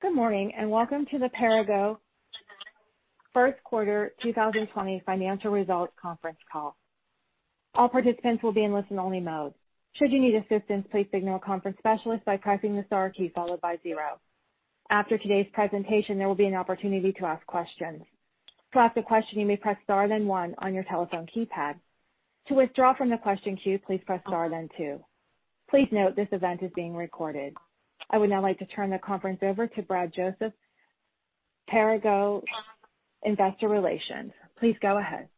Good morning, welcome to the Perrigo first quarter 2020 financial results conference call. All participants will be in listen-only mode. Should you need assistance, please signal a conference specialist by pressing the star key followed by zero. After today's presentation, there will be an opportunity to ask questions. To ask a question, you may press star then one on your telephone keypad. To withdraw from the question queue, please press star then two. Please note this event is being recorded. I would now like to turn the conference over to Brad Joseph, Perrigo Investor Relations. Please go ahead.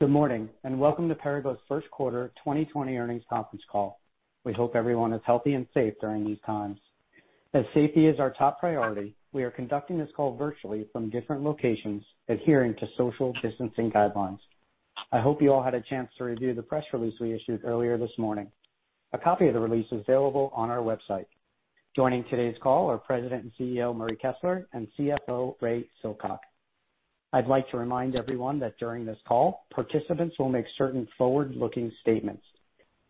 Good morning, welcome to Perrigo's first quarter 2020 earnings conference call. We hope everyone is healthy and safe during these times. As safety is our top priority, we are conducting this call virtually from different locations adhering to social distancing guidelines. I hope you all had a chance to review the press release we issued earlier this morning. A copy of the release is available on our website. Joining today's call are President and CEO, Murray Kessler, and CFO, Ray Silcock. I'd like to remind everyone that during this call, participants will make certain forward-looking statements.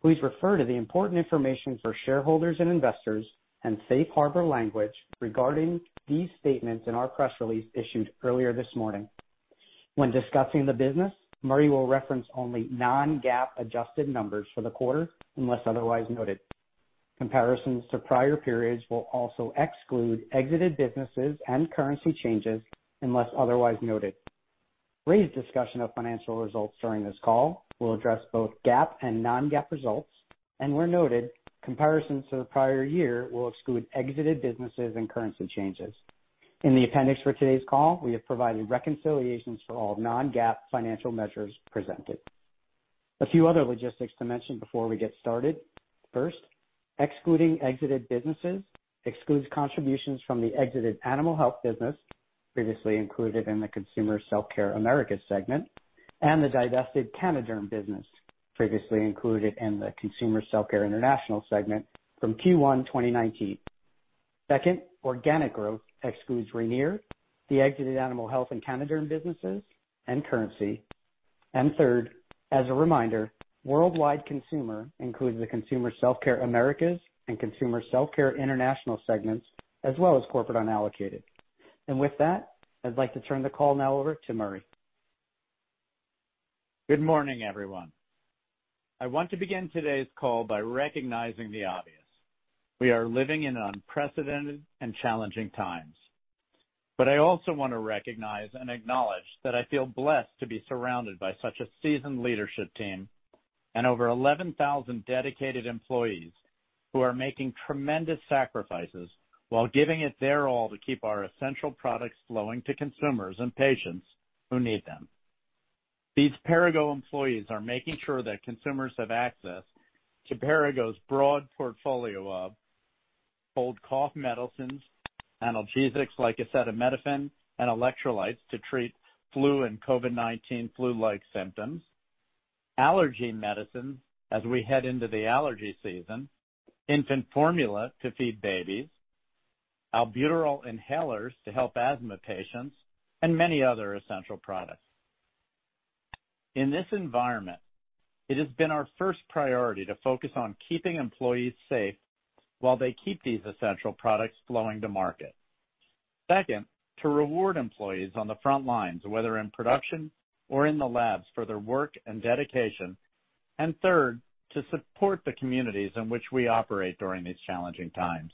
Please refer to the important information for shareholders and investors and safe harbor language regarding these statements in our press release issued earlier this morning. When discussing the business, Murray will reference only non-GAAP adjusted numbers for the quarter unless otherwise noted. Comparisons to prior periods will also exclude exited businesses and currency changes unless otherwise noted. Ray's discussion of financial results during this call will address both GAAP and non-GAAP results, and where noted, comparisons to the prior year will exclude exited businesses and currency changes. In the appendix for today's call, we have provided reconciliations for all non-GAAP financial measures presented. A few other logistics to mention before we get started. First, excluding exited businesses excludes contributions from the exited animal health business previously included in the Consumer Self-Care Americas segment and the divested Cannaderm business previously included in the Consumer Self-Care International segment from Q1 2019. Second, organic growth excludes Ranir, the exited animal health and Cannaderm businesses and currency. Third, as a reminder, Worldwide Consumer includes the Consumer Self-Care Americas and Consumer Self-Care International segments, as well as Corporate Unallocated. With that, I'd like to turn the call now over to Murray. Good morning, everyone. I want to begin today's call by recognizing the obvious. We are living in unprecedented and challenging times. I also want to recognize and acknowledge that I feel blessed to be surrounded by such a seasoned leadership team and over 11,000 dedicated employees who are making tremendous sacrifices while giving it their all to keep our essential products flowing to consumers and patients who need them. These Perrigo employees are making sure that consumers have access to Perrigo's broad portfolio of cold cough medicines, analgesics like acetaminophen and electrolytes to treat flu and COVID-19 flu-like symptoms, allergy medicine as we head into the allergy season, infant formula to feed babies, albuterol inhalers to help asthma patients, and many other essential products. In this environment, it has been our first priority to focus on keeping employees safe while they keep these essential products flowing to market. Second, to reward employees on the front lines, whether in production or in the labs, for their work and dedication. Third, to support the communities in which we operate during these challenging times.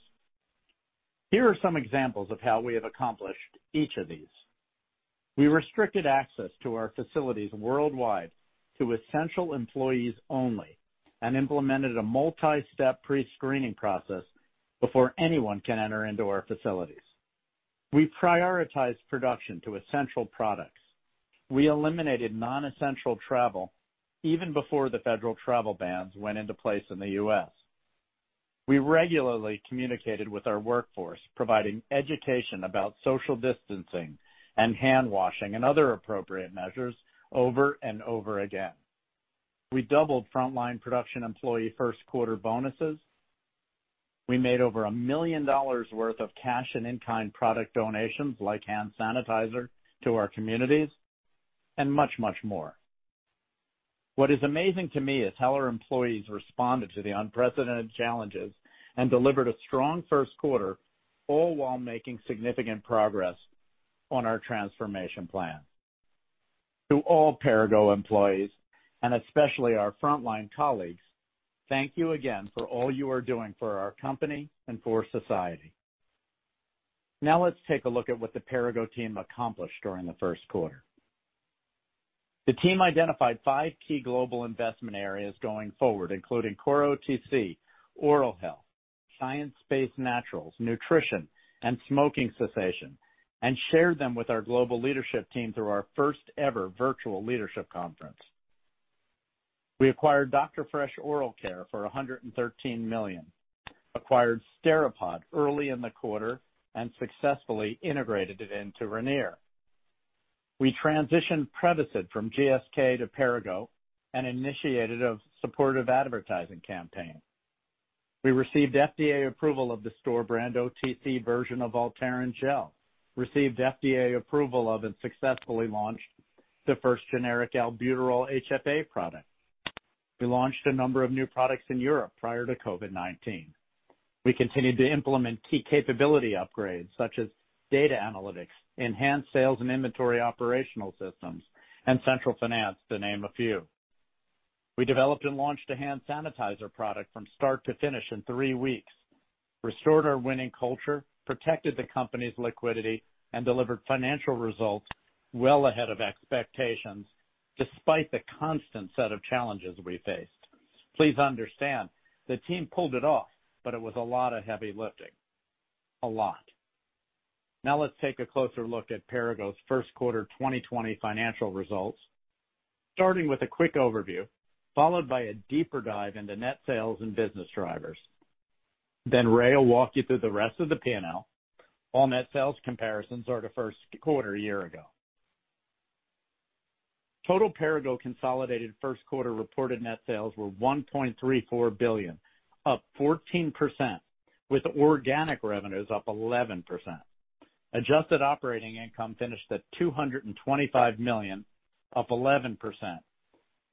Here are some examples of how we have accomplished each of these. We restricted access to our facilities worldwide to essential employees only and implemented a multi-step pre-screening process before anyone can enter into our facilities. We prioritized production to essential products. We eliminated non-essential travel even before the federal travel bans went into place in the U.S. We regularly communicated with our workforce, providing education about social distancing and handwashing and other appropriate measures over and over again. We doubled frontline production employee first quarter bonuses. We made over $1 million worth of cash and in-kind product donations, like hand sanitizer, to our communities, and much, much more. What is amazing to me is how our employees responded to the unprecedented challenges and delivered a strong first quarter, all while making significant progress on our transformation plan. To all Perrigo employees, and especially our frontline colleagues, thank you again for all you are doing for our company and for society. Now let's take a look at what the Perrigo team accomplished during the first quarter. The team identified five key global investment areas going forward, including core OTC, oral health, science-based naturals, nutrition, and smoking cessation, and shared them with our global leadership team through our first ever virtual leadership conference. We acquired Dr. Fresh Oral Care for $113 million, acquired Steripod early in the quarter and successfully integrated it into Ranir. We transitioned Prevacid from GSK to Perrigo and initiated a supportive advertising campaign. We received FDA approval of the store brand OTC version of Voltaren Gel, received FDA approval of and successfully launched the first generic albuterol HFA product. We launched a number of new products in Europe prior to COVID-19. We continued to implement key capability upgrades such as data analytics, enhanced sales and inventory operational systems, and central finance, to name a few. We developed and launched a hand sanitizer product from start to finish in three weeks, restored our winning culture, protected the company's liquidity, and delivered financial results well ahead of expectations, despite the constant set of challenges we faced. Please understand, the team pulled it off, but it was a lot of heavy lifting. A lot. Now let's take a closer look at Perrigo's first quarter 2020 financial results, starting with a quick overview, followed by a deeper dive into net sales and business drivers. Ray will walk you through the rest of the P&L. All net sales comparisons are to first quarter a year ago. Total Perrigo consolidated first quarter reported net sales were $1.34 billion, up 14%, with organic revenues up 11%. Adjusted operating income finished at $225 million, up 11%,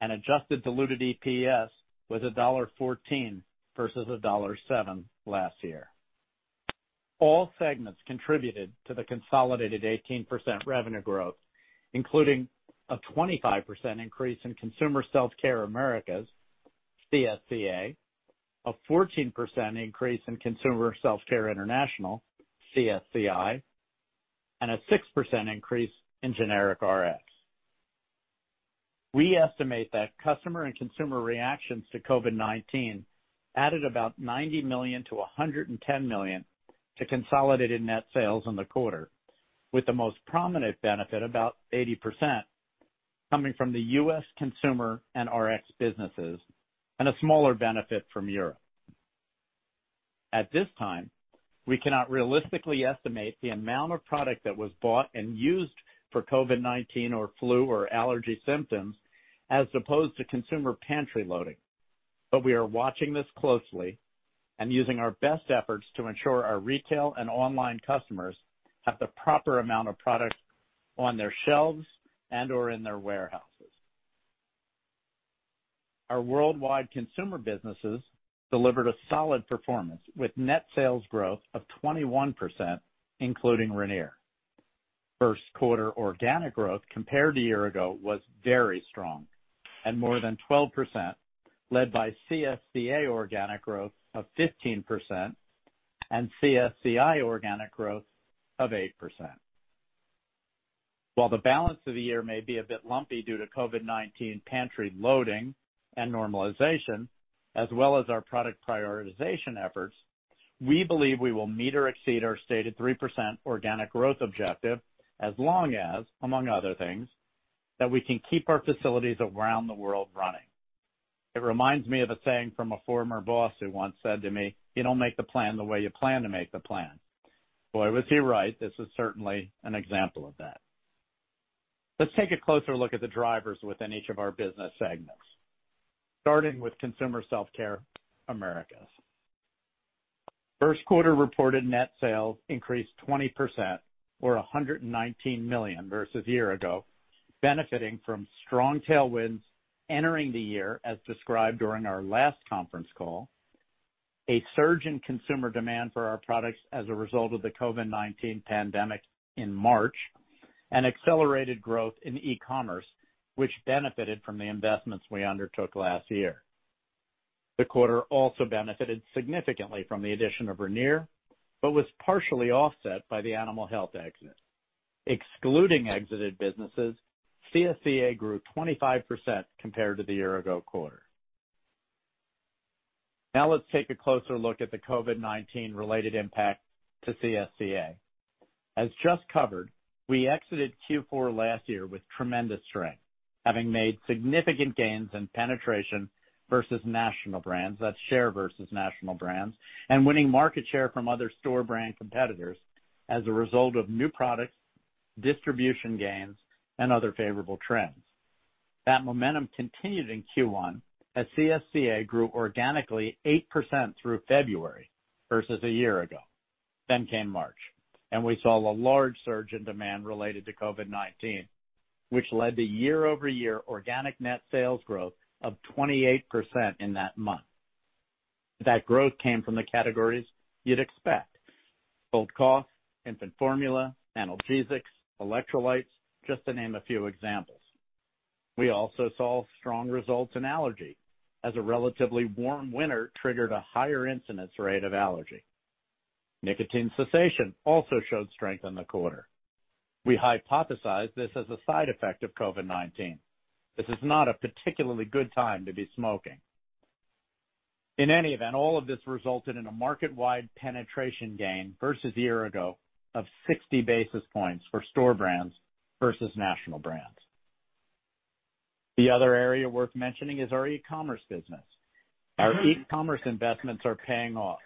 and adjusted diluted EPS was $1.14 versus $1.07 last year. All segments contributed to the consolidated 18% revenue growth, including a 25% increase in Consumer Self-Care Americas, CSCA, a 14% increase in Consumer Self-Care International, CSCI, and a 6% increase in generic Rx. We estimate that customer and consumer reactions to COVID-19 added about $90 million-$110 million to consolidated net sales in the quarter, with the most prominent benefit about 80% coming from the U.S. consumer and Rx businesses, and a smaller benefit from Europe. At this time, we cannot realistically estimate the amount of product that was bought and used for COVID-19 or flu or allergy symptoms as opposed to consumer pantry loading. We are watching this closely and using our best efforts to ensure our retail and online customers have the proper amount of product on their shelves and/or in their warehouses. Our Worldwide Consumer businesses delivered a solid performance with net sales growth of 21%, including Ranir. First quarter organic growth compared to a year ago was very strong and more than 12%, led by CSCA organic growth of 15% and CSCI organic growth of 8%. While the balance of the year may be a bit lumpy due to COVID-19 pantry loading and normalization, as well as our product prioritization efforts, we believe we will meet or exceed our stated 3% organic growth objective as long as, among other things, that we can keep our facilities around the world running. It reminds me of a saying from a former boss who once said to me, "You don't make the plan the way you plan to make the plan." Boy, was he right. This is certainly an example of that. Let's take a closer look at the drivers within each of our business segments, starting with Consumer Self-Care Americas. First quarter reported net sales increased 20%, or $119 million versus a year ago, benefiting from strong tailwinds entering the year, as described during our last conference call, a surge in consumer demand for our products as a result of the COVID-19 pandemic in March, and accelerated growth in e-commerce, which benefited from the investments we undertook last year. The quarter also benefited significantly from the addition of Ranir, but was partially offset by the Animal Health exit. Excluding exited businesses, CSCA grew 25% compared to the year ago quarter. Let's take a closer look at the COVID-19 related impact to CSCA. As just covered, we exited Q4 last year with tremendous strength, having made significant gains in penetration versus national brands, that's share versus national brands, and winning market share from other store brand competitors as a result of new products, distribution gains, and other favorable trends. That momentum continued in Q1 as CSCA grew organically 8% through February versus a year ago. Then came March, and we saw a large surge in demand related to COVID-19, which led to year-over-year organic net sales growth of 28% in that month. That growth came from the categories you'd expect. Cold cough, infant formula, analgesics, electrolytes, just to name a few examples. We also saw strong results in allergy, as a relatively warm winter triggered a higher incidence rate of allergy. Nicotine cessation also showed strength in the quarter. We hypothesize this as a side effect of COVID-19. This is not a particularly good time to be smoking. In any event, all of this resulted in a market-wide penetration gain versus a year ago of 60 basis points for store brands versus national brands. The other area worth mentioning is our e-commerce business. Our e-commerce investments are paying off.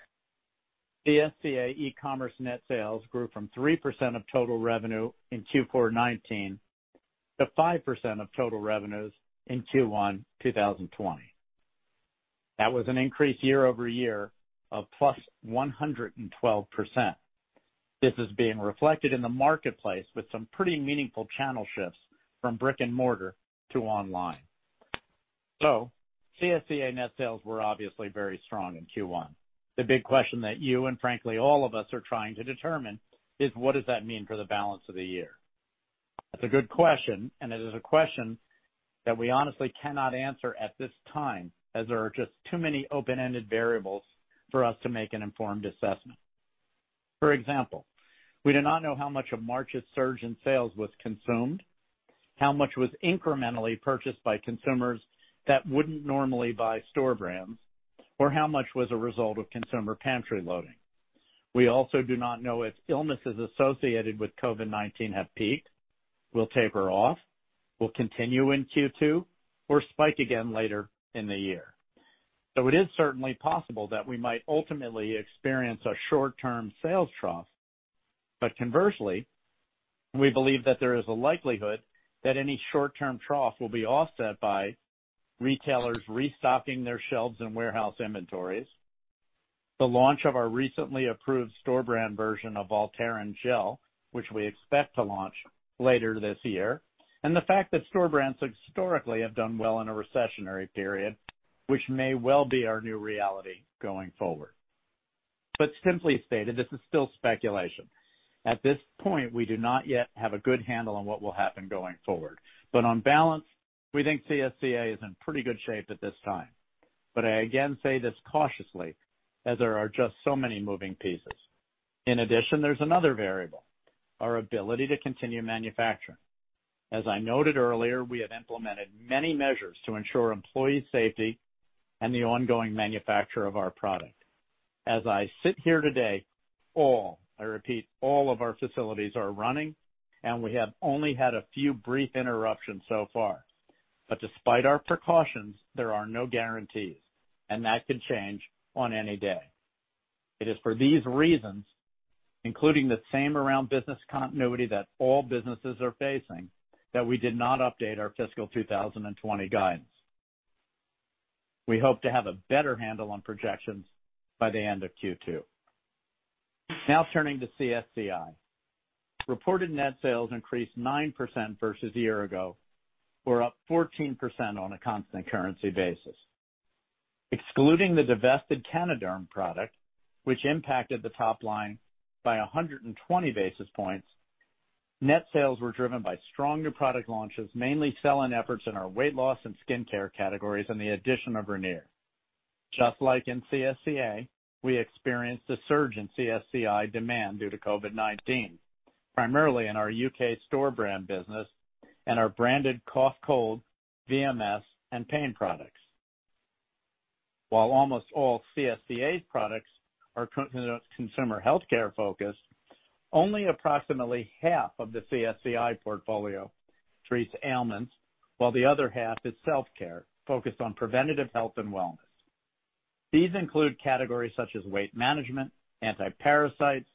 CSCA e-commerce net sales grew from 3% of total revenue in Q4 2019 to 5% of total revenues in Q1 2020. That was an increase year-over-year of +112%. This is being reflected in the marketplace with some pretty meaningful channel shifts from brick and mortar to online. CSCA net sales were obviously very strong in Q1. The big question that you, and frankly, all of us are trying to determine is, what does that mean for the balance of the year? That's a good question, and it is a question that we honestly cannot answer at this time, as there are just too many open-ended variables for us to make an informed assessment. For example, we do not know how much of March's surge in sales was consumed, how much was incrementally purchased by consumers that wouldn't normally buy store brands, or how much was a result of consumer pantry loading. We also do not know if illnesses associated with COVID-19 have peaked, will taper off, will continue in Q2, or spike again later in the year. It is certainly possible that we might ultimately experience a short-term sales trough. Conversely, we believe that there is a likelihood that any short-term trough will be offset by retailers restocking their shelves and warehouse inventories, the launch of our recently approved store brand version of Voltaren Gel, which we expect to launch later this year, and the fact that store brands historically have done well in a recessionary period, which may well be our new reality going forward. Simply stated, this is still speculation. At this point, we do not yet have a good handle on what will happen going forward. On balance, we think CSCA is in pretty good shape at this time. I again say this cautiously, as there are just so many moving pieces. In addition, there's another variable, our ability to continue manufacturing. As I noted earlier, we have implemented many measures to ensure employee safety and the ongoing manufacture of our product. As I sit here today, all, I repeat, all of our facilities are running, and we have only had a few brief interruptions so far. Despite our precautions, there are no guarantees, and that can change on any day. It is for these reasons, including the same around business continuity that all businesses are facing, that we did not update our fiscal 2020 guidance. We hope to have a better handle on projections by the end of Q2. Turning to CSCI. Reported net sales increased 9% versus a year ago. We are up 14% on a constant currency basis. Excluding the divested Cannaderm product, which impacted the top line by 120 basis points, net sales were driven by strong new product launches, mainly sell-in efforts in our weight loss and skincare categories and the addition of Ranir. Just like in CSCA, we experienced a surge in CSCI demand due to COVID-19, primarily in our U.K. store brand business and our branded cough, cold, VMS, and pain products. While almost all CSCA's products are consumer healthcare-focused, only approximately half of the CSCI portfolio treats ailments, while the other half is self-care, focused on preventative health and wellness. These include categories such as weight management, anti-parasites,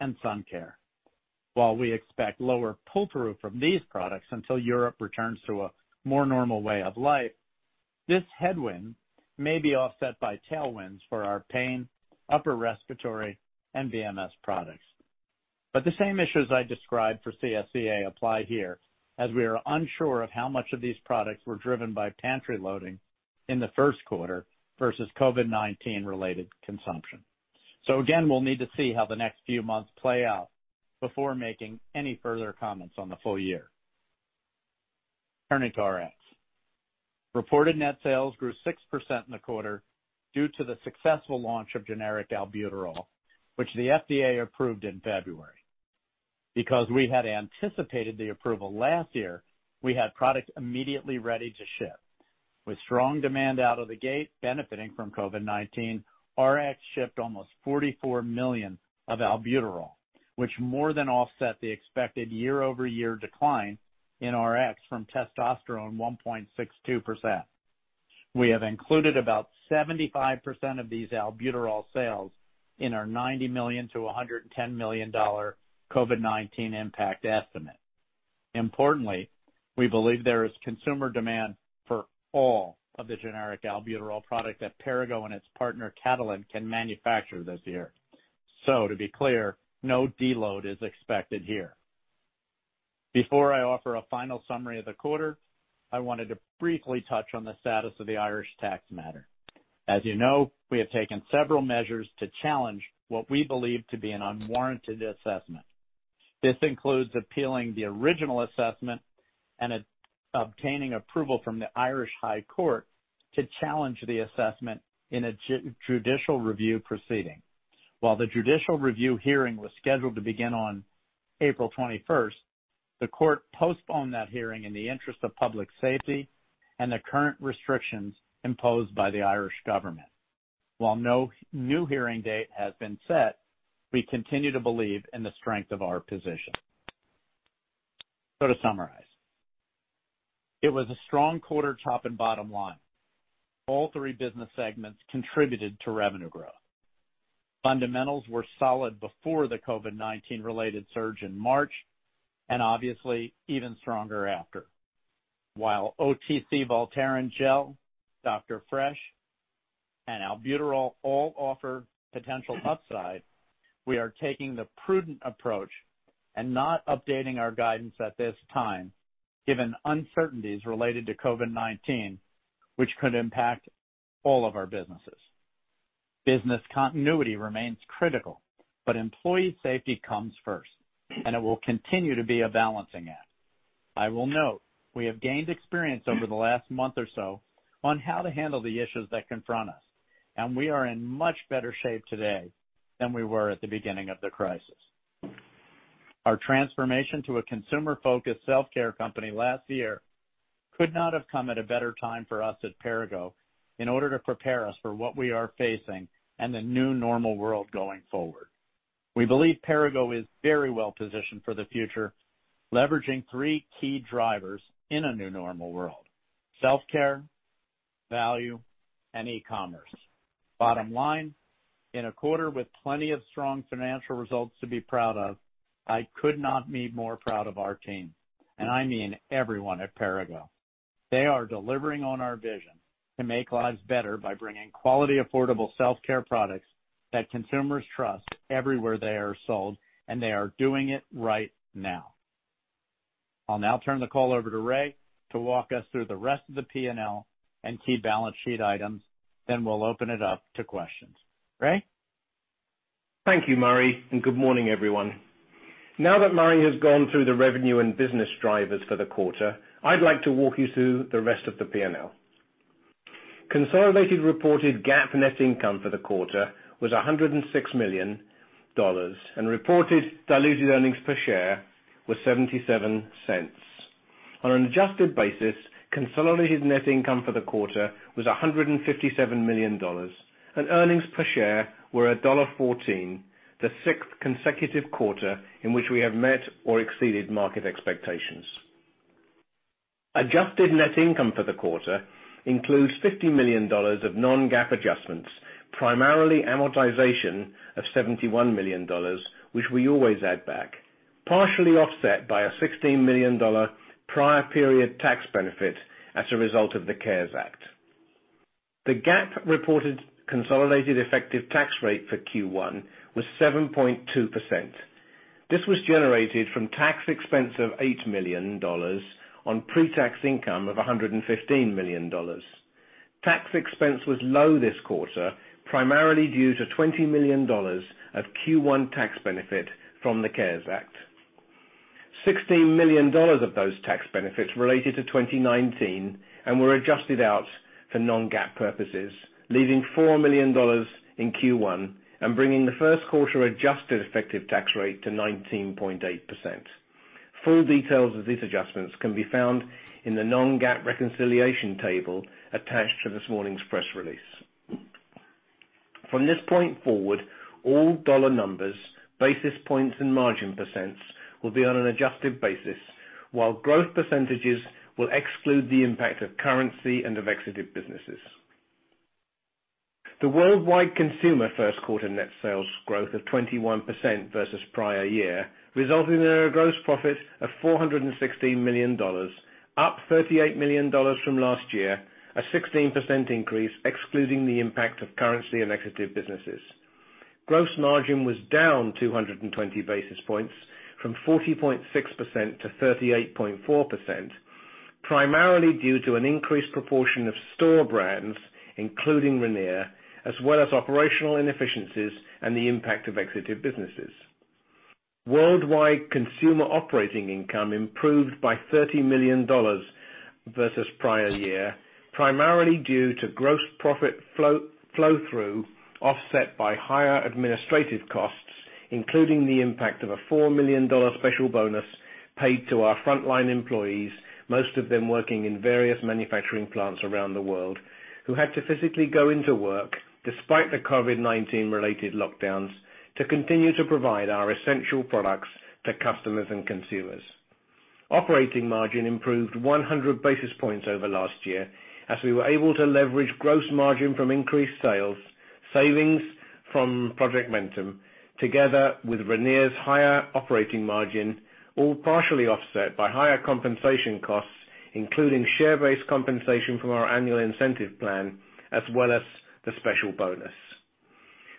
and sun care. While we expect lower pull-through from these products until Europe returns to a more normal way of life, this headwind may be offset by tailwinds for our pain, upper respiratory, and VMS products. The same issues I described for CSCA apply here, as we are unsure of how much of these products were driven by pantry loading in the first quarter versus COVID-19-related consumption. Again, we'll need to see how the next few months play out before making any further comments on the full year. Turning to Rx. Reported net sales grew 6% in the quarter due to the successful launch of generic albuterol, which the FDA approved in February. Because we had anticipated the approval last year, we had product immediately ready to ship. With strong demand out of the gate benefiting from COVID-19, Rx shipped almost 44 million of albuterol, which more than offset the expected year-over-year decline in Rx from testosterone 1.62%. We have included about 75% of these albuterol sales in our $90 million-$110 million COVID-19 impact estimate. Importantly, we believe there is consumer demand for all of the generic albuterol product that Perrigo and its partner, Catalent, can manufacture this year. To be clear, no deload is expected here. Before I offer a final summary of the quarter, I wanted to briefly touch on the status of the Irish tax matter. As you know, we have taken several measures to challenge what we believe to be an unwarranted assessment. This includes appealing the original assessment and obtaining approval from the Irish High Court to challenge the assessment in a judicial review proceeding. While the judicial review hearing was scheduled to begin on April 21st, the court postponed that hearing in the interest of public safety and the current restrictions imposed by the Irish government. While no new hearing date has been set, we continue to believe in the strength of our position. To summarize, it was a strong quarter top and bottom line. All three business segments contributed to revenue growth. Fundamentals were solid before the COVID-19 related surge in March, obviously even stronger after. While OTC Voltaren Gel, Dr. Fresh, and albuterol all offer potential upside, we are taking the prudent approach and not updating our guidance at this time, given uncertainties related to COVID-19, which could impact all of our businesses. Business continuity remains critical, employee safety comes first, it will continue to be a balancing act. I will note, we have gained experience over the last month or so on how to handle the issues that confront us, and we are in much better shape today than we were at the beginning of the crisis. Our transformation to a consumer-focused self-care company last year could not have come at a better time for us at Perrigo in order to prepare us for what we are facing and the new normal world going forward. We believe Perrigo is very well positioned for the future, leveraging three key drivers in a new normal world, self-care, value, and e-commerce. Bottom line, in a quarter with plenty of strong financial results to be proud of, I could not be more proud of our team, and I mean everyone at Perrigo. They are delivering on our vision to make lives better by bringing quality, affordable self-care products that consumers trust everywhere they are sold. They are doing it right now. I'll now turn the call over to Ray to walk us through the rest of the P&L and key balance sheet items. We'll open it up to questions. Ray? Thank you, Murray, and good morning, everyone. Now that Murray has gone through the revenue and business drivers for the quarter, I'd like to walk you through the rest of the P&L. Consolidated reported GAAP net income for the quarter was $106 million, and reported diluted earnings per share was $0.77. On an adjusted basis, consolidated net income for the quarter was $157 million, and earnings per share were $1.14, the sixth consecutive quarter in which we have met or exceeded market expectations. Adjusted net income for the quarter includes $50 million of non-GAAP adjustments, primarily amortization of $71 million, which we always add back, partially offset by a $16 million prior period tax benefit as a result of the CARES Act. The GAAP reported consolidated effective tax rate for Q1 was 7.2%. This was generated from tax expense of $8 million on pre-tax income of $115 million. Tax expense was low this quarter, primarily due to $20 million of Q1 tax benefit from the CARES Act. $16 million of those tax benefits related to 2019 and were adjusted out for non-GAAP purposes, leaving $4 million in Q1 and bringing the first quarter adjusted effective tax rate to 19.8%. Full details of these adjustments can be found in the non-GAAP reconciliation table attached to this morning's press release. From this point forward, all dollar numbers, basis points, and margin percents will be on an adjusted basis, while growth percentages will exclude the impact of currency and of exited businesses. The Worldwide Consumer first quarter net sales growth of 21% versus prior year resulted in a gross profit of $416 million, up $38 million from last year, a 16% increase excluding the impact of currency and exited businesses. Gross margin was down 220 basis points from 40.6% to 38.4%, primarily due to an increased proportion of store brands, including Ranir, as well as operational inefficiencies and the impact of exited businesses. Worldwide Consumer operating income improved by $30 million versus prior year, primarily due to gross profit flow-through offset by higher administrative costs, including the impact of a $4 million special bonus paid to our frontline employees, most of them working in various manufacturing plants around the world, who had to physically go into work despite the COVID-19 related lockdowns to continue to provide our essential products to customers and consumers. Operating margin improved 100 basis points over last year as we were able to leverage gross margin from increased sales, savings from Project Momentum, together with Ranir's higher operating margin, all partially offset by higher compensation costs, including share-based compensation from our annual incentive plan, as well as the special bonus.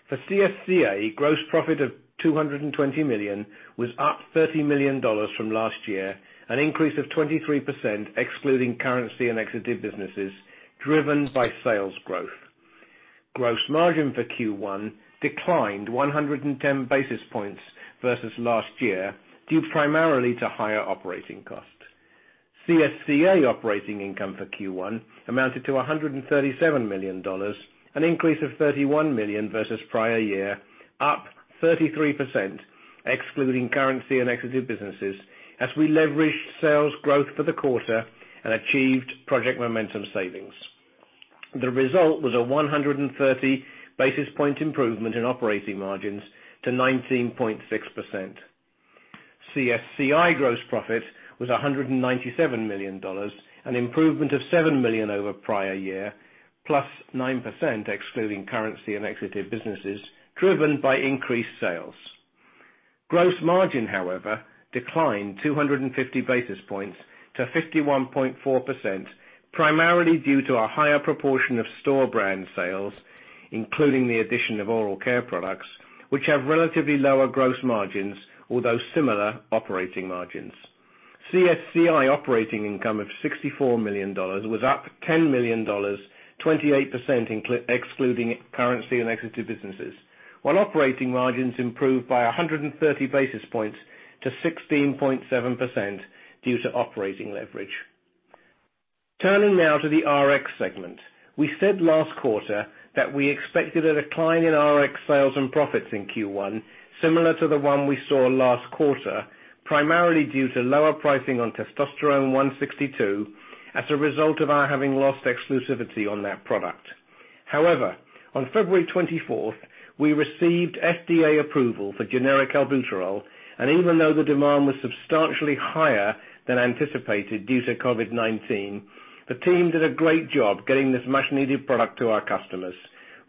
For CSCA, gross profit of $220 million was up $30 million from last year, an increase of 23% excluding currency and exited businesses, driven by sales growth. Gross margin for Q1 declined 110 basis points versus last year, due primarily to higher operating costs. CSCA operating income for Q1 amounted to $137 million, an increase of $31 million versus prior year, up 33%, excluding currency and exited businesses as we leveraged sales growth for the quarter and achieved Project Momentum savings. The result was a 130 basis point improvement in operating margins to 19.6%. CSCI gross profit was $197 million, an improvement of $7 million over prior year, +9%, excluding currency and exited businesses, driven by increased sales. Gross margin, however, declined 250 basis points to 51.4%, primarily due to a higher proportion of store brand sales, including the addition of oral care products, which have relatively lower gross margins, although similar operating margins. CSCI operating income of $64 million was up $10 million, +28% excluding currency and exited businesses, while operating margins improved by 130 basis points to 16.7% due to operating leverage. Turning now to the Rx segment. We said last quarter that we expected a decline in Rx sales and profits in Q1, similar to the one we saw last quarter, primarily due to lower pricing on testosterone 1.62% as a result of our having lost exclusivity on that product. On February 24th, we received FDA approval for generic albuterol, and even though the demand was substantially higher than anticipated due to COVID-19, the team did a great job getting this much-needed product to our customers.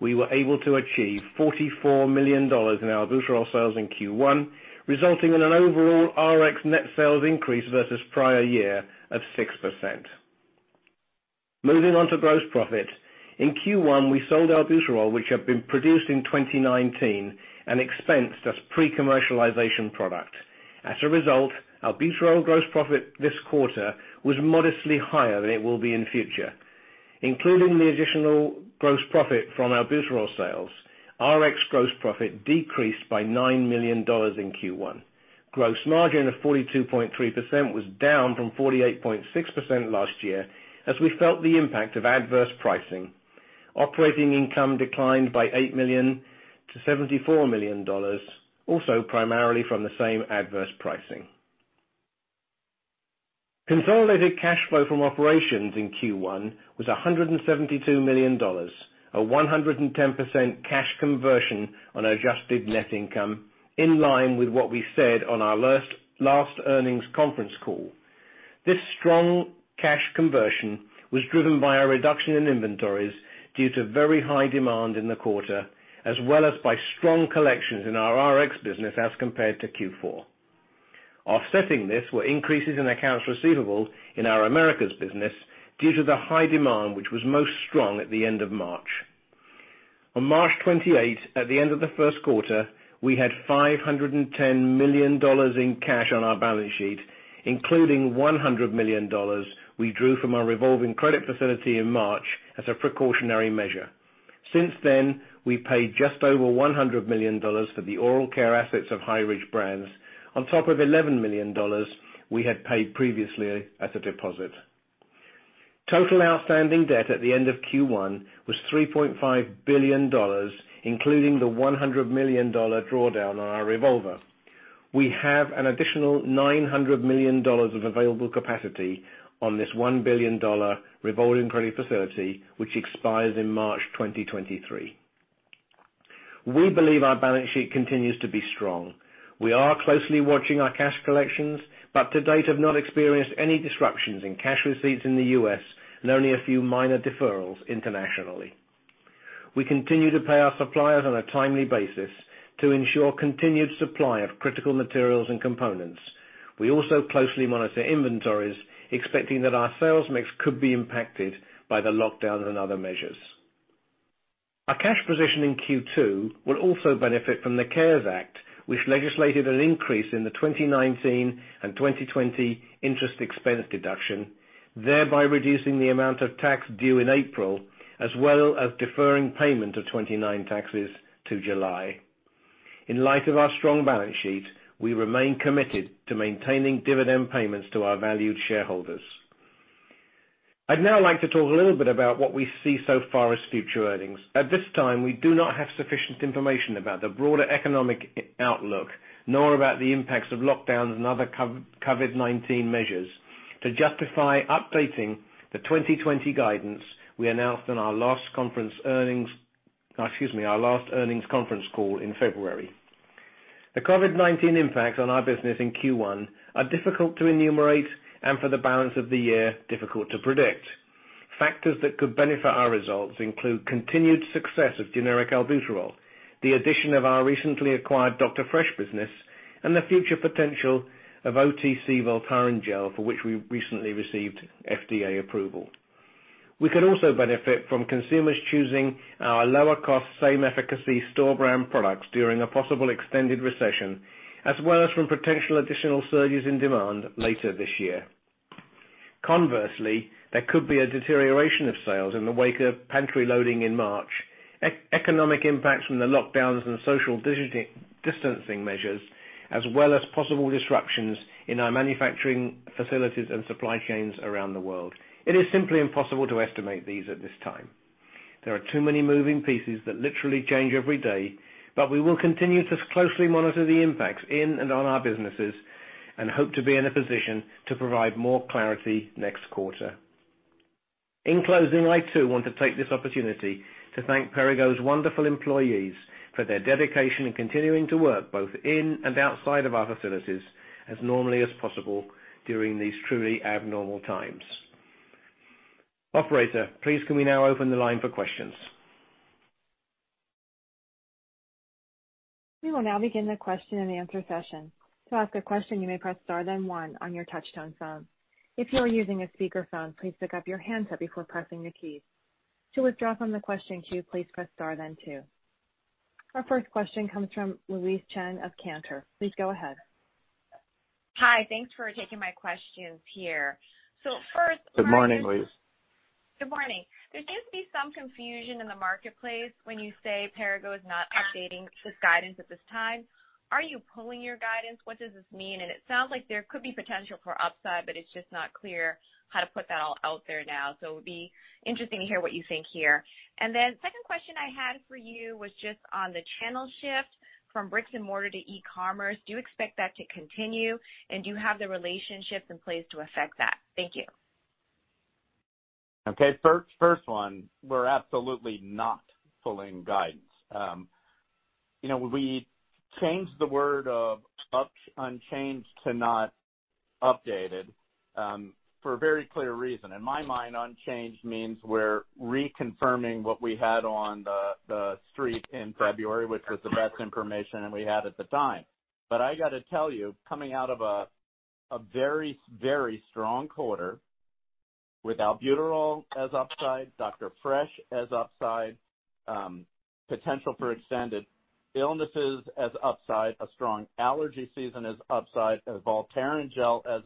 We were able to achieve $44 million in albuterol sales in Q1, resulting in an overall RX net sales increase versus prior year of 6%. Moving on to gross profit. In Q1, we sold albuterol, which had been produced in 2019, and expensed as pre-commercialization product. As a result, albuterol gross profit this quarter was modestly higher than it will be in future. Including the additional gross profit from albuterol sales, RX gross profit decreased by $9 million in Q1. Gross margin of 42.3% was down from 48.6% last year, as we felt the impact of adverse pricing. Operating income declined by $8 million to $74 million, also primarily from the same adverse pricing. Consolidated cash flow from operations in Q1 was $172 million, a 110% cash conversion on adjusted net income, in line with what we said on our last earnings conference call. This strong cash conversion was driven by a reduction in inventories due to very high demand in the quarter, as well as by strong collections in our Rx business as compared to Q4. Offsetting this were increases in accounts receivable in our Americas business due to the high demand, which was most strong at the end of March. On March 28th, at the end of the first quarter, we had $510 million in cash on our balance sheet, including $100 million we drew from our revolving credit facility in March as a precautionary measure. Since then, we paid just over $100 million for the oral care assets of High Ridge Brands, on top of $11 million we had paid previously as a deposit. Total outstanding debt at the end of Q1 was $3.5 billion, including the $100 million drawdown on our revolver. We have an additional $900 million of available capacity on this $1 billion revolving credit facility, which expires in March 2023. We believe our balance sheet continues to be strong. We are closely watching our cash collections, but to date have not experienced any disruptions in cash receipts in the U.S. and only a few minor deferrals internationally. We continue to pay our suppliers on a timely basis to ensure continued supply of critical materials and components. We also closely monitor inventories, expecting that our sales mix could be impacted by the lockdown and other measures. Our cash position in Q2 will also benefit from the CARES Act, which legislated an increase in the 2019 and 2020 interest expense deduction, thereby reducing the amount of tax due in April, as well as deferring payment of 2019 taxes to July. In light of our strong balance sheet, we remain committed to maintaining dividend payments to our valued shareholders. I'd now like to talk a little bit about what we see so far as future earnings. At this time, we do not have sufficient information about the broader economic outlook, nor about the impacts of lockdowns and other COVID-19 measures to justify updating the 2020 guidance we announced on our last earnings conference call in February. The COVID-19 impacts on our business in Q1 are difficult to enumerate and for the balance of the year, difficult to predict. Factors that could benefit our results include continued success of generic albuterol, the addition of our recently acquired Dr. Fresh business, and the future potential of OTC Voltaren Gel, for which we recently received FDA approval. We could also benefit from consumers choosing our lower cost, same efficacy store brand products during a possible extended recession, as well as from potential additional surges in demand later this year. There could be a deterioration of sales in the wake of pantry loading in March, economic impacts from the lockdowns and social distancing measures, as well as possible disruptions in our manufacturing facilities and supply chains around the world. It is simply impossible to estimate these at this time. There are too many moving pieces that literally change every day, we will continue to closely monitor the impacts in and on our businesses. Hope to be in a position to provide more clarity next quarter. In closing, I too want to take this opportunity to thank Perrigo's wonderful employees for their dedication in continuing to work both in and outside of our facilities as normally as possible during these truly abnormal times. Operator, please can we now open the line for questions? We will now begin the question and answer session. To ask a question, you may press star then one on your touch-tone phone. If you are using a speakerphone, please pick up your handset before pressing the keys. To withdraw from the question queue, please press star then two. Our first question comes from Louise Chen of Cantor. Please go ahead. Hi. Thanks for taking my questions here. Good morning, Louise. Good morning. There seems to be some confusion in the marketplace when you say Perrigo is not updating this guidance at this time. Are you pulling your guidance? What does this mean? It sounds like there could be potential for upside, but it's just not clear how to put that all out there now. It would be interesting to hear what you think here. Then second question I had for you was just on the channel shift from bricks and mortar to e-commerce. Do you expect that to continue? Do you have the relationships in place to affect that? Thank you. Okay, first one, we're absolutely not pulling guidance. We changed the word of unchanged to not updated, for a very clear reason. In my mind, unchanged means we're reconfirming what we had on the street in February, which was the best information that we had at the time. I got to tell you, coming out of a very strong quarter with albuterol as upside, Dr. Fresh as upside, potential for extended illnesses as upside, a strong allergy season as upside, Voltaren Gel as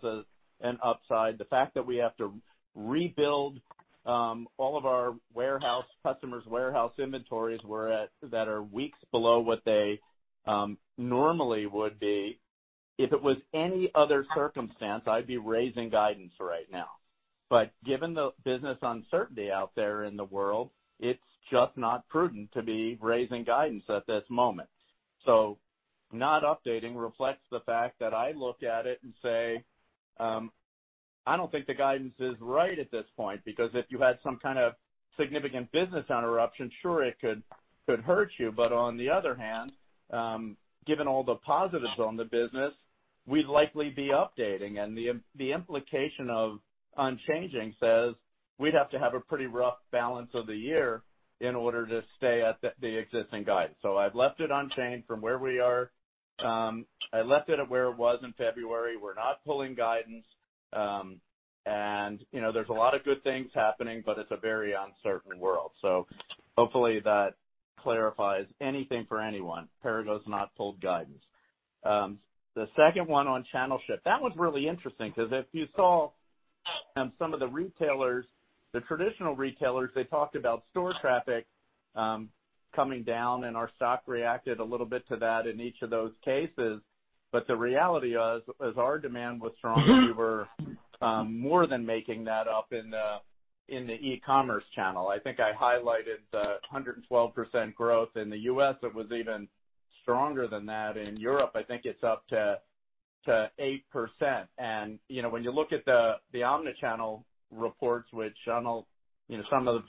an upside. The fact that we have to rebuild all of our warehouse, customers' warehouse inventories that are weeks below what they normally would be. If it was any other circumstance, I'd be raising guidance right now. Given the business uncertainty out there in the world, it's just not prudent to be raising guidance at this moment. Not updating reflects the fact that I look at it and say, "I don't think the guidance is right at this point." Because if you had some kind of significant business interruption, sure, it could hurt you, but on the other hand, given all the positives on the business, we'd likely be updating. The implication of unchanging says we'd have to have a pretty rough balance of the year in order to stay at the existing guidance. I've left it unchanged from where we are. I left it at where it was in February. We're not pulling guidance. There's a lot of good things happening, but it's a very uncertain world. Hopefully that clarifies anything for anyone. Perrigo's not pulled guidance. The second one on channel shift. That one's really interesting, because if you saw some of the retailers, the traditional retailers, they talked about store traffic coming down, and our stock reacted a little bit to that in each of those cases. The reality is, as our demand was strong, we were more than making that up in the e-commerce channel. I think I highlighted the 112% growth in the U.S. It was even stronger than that in Europe. I think it's up to 8%. When you look at the omni-channel reports, which some of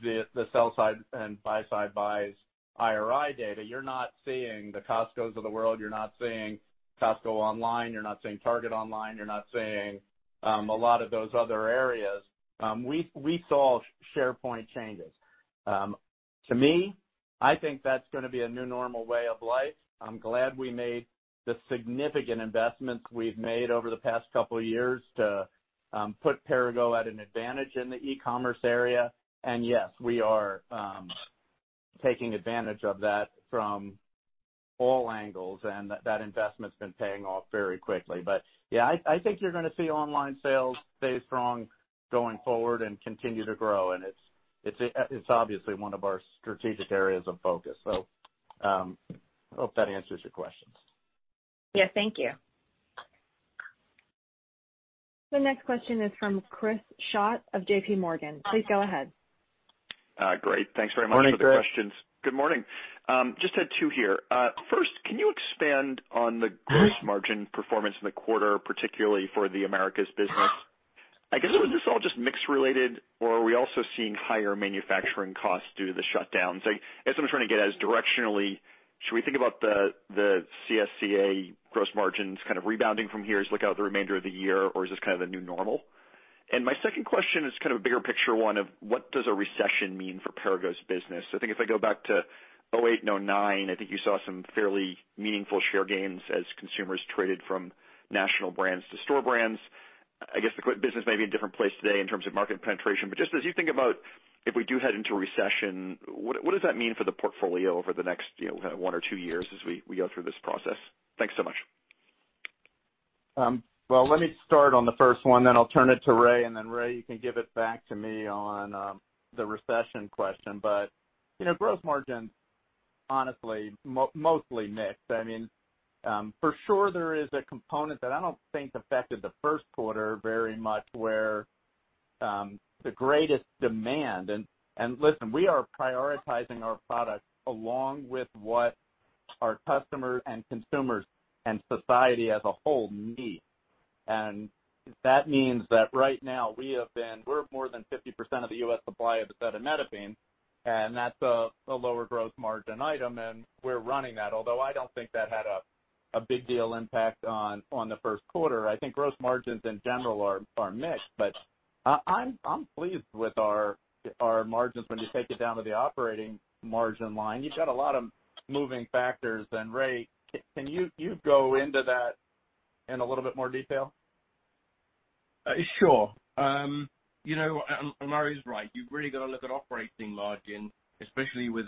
the sell side and buy side buys IRI data, you're not seeing the Costcos of the world, you're not seeing Costco online, you're not seeing Target online, you're not seeing a lot of those other areas. We saw share point changes. To me, I think that's going to be a new normal way of life. I'm glad we made the significant investments we've made over the past couple of years to put Perrigo at an advantage in the e-commerce area. Yes, we are taking advantage of that from all angles, and that investment's been paying off very quickly. Yeah, I think you're going to see online sales stay strong going forward and continue to grow, and it's obviously one of our strategic areas of focus. I hope that answers your questions. Yes. Thank you. The next question is from Chris Schott of JPMorgan. Please go ahead. Great. Thanks very much for the questions. Morning, Chris. Good morning. Just had two here. First, can you expand on the gross margin performance in the quarter, particularly for the Americas business? I guess, is this all just mix-related, or are we also seeing higher manufacturing costs due to the shutdowns? I guess what I'm trying to get at is directionally, should we think about the CSCA gross margins kind of rebounding from here as look out the remainder of the year, or is this kind of a new normal? My second question is kind of a bigger picture one of, what does a recession mean for Perrigo's business? I think if I go back to 2008 and 2009, I think you saw some fairly meaningful share gains as consumers traded from national brands to store brands. I guess the business may be in a different place today in terms of market penetration, but just as you think about if we do head into a recession, what does that mean for the portfolio over the next one or two years as we go through this process? Thanks so much. Well, let me start on the first one, then I'll turn it to Ray, and then Ray, you can give it back to me on the recession question. Gross margin, honestly, mostly mix. For sure, there is a component that I don't think affected the first quarter very much where the greatest demand. Listen, we are prioritizing our products along with what our customers and consumers and society as a whole need. That means that right now, we're more than 50% of the U.S. supply of acetaminophen, and that's a lower gross margin item, and we're running that. Although I don't think that had a big deal impact on the first quarter. I think gross margins, in general, are mixed, but I'm pleased with our margins when you take it down to the operating margin line. You've got a lot of moving factors. Ray, can you go into that in a little bit more detail? Sure. Murray's right. You've really got to look at operating margin, especially with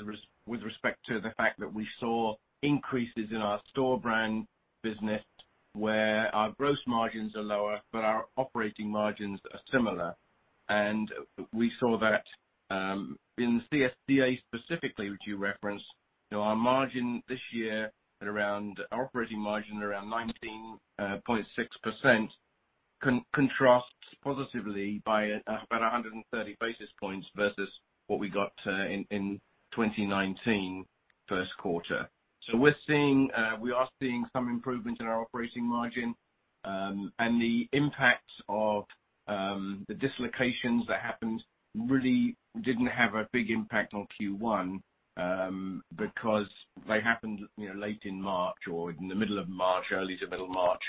respect to the fact that we saw increases in our store brand business where our gross margins are lower, but our operating margins are similar. We saw that in the CSCA specifically, which you referenced. Our margin this year at around, operating margin around 19.6% contrasts positively by about 130 basis points versus what we got in 2019 first quarter. We are seeing some improvements in our operating margin. The impact of the dislocations that happened really didn't have a big impact on Q1, because they happened late in March or in the middle of March, early to middle March,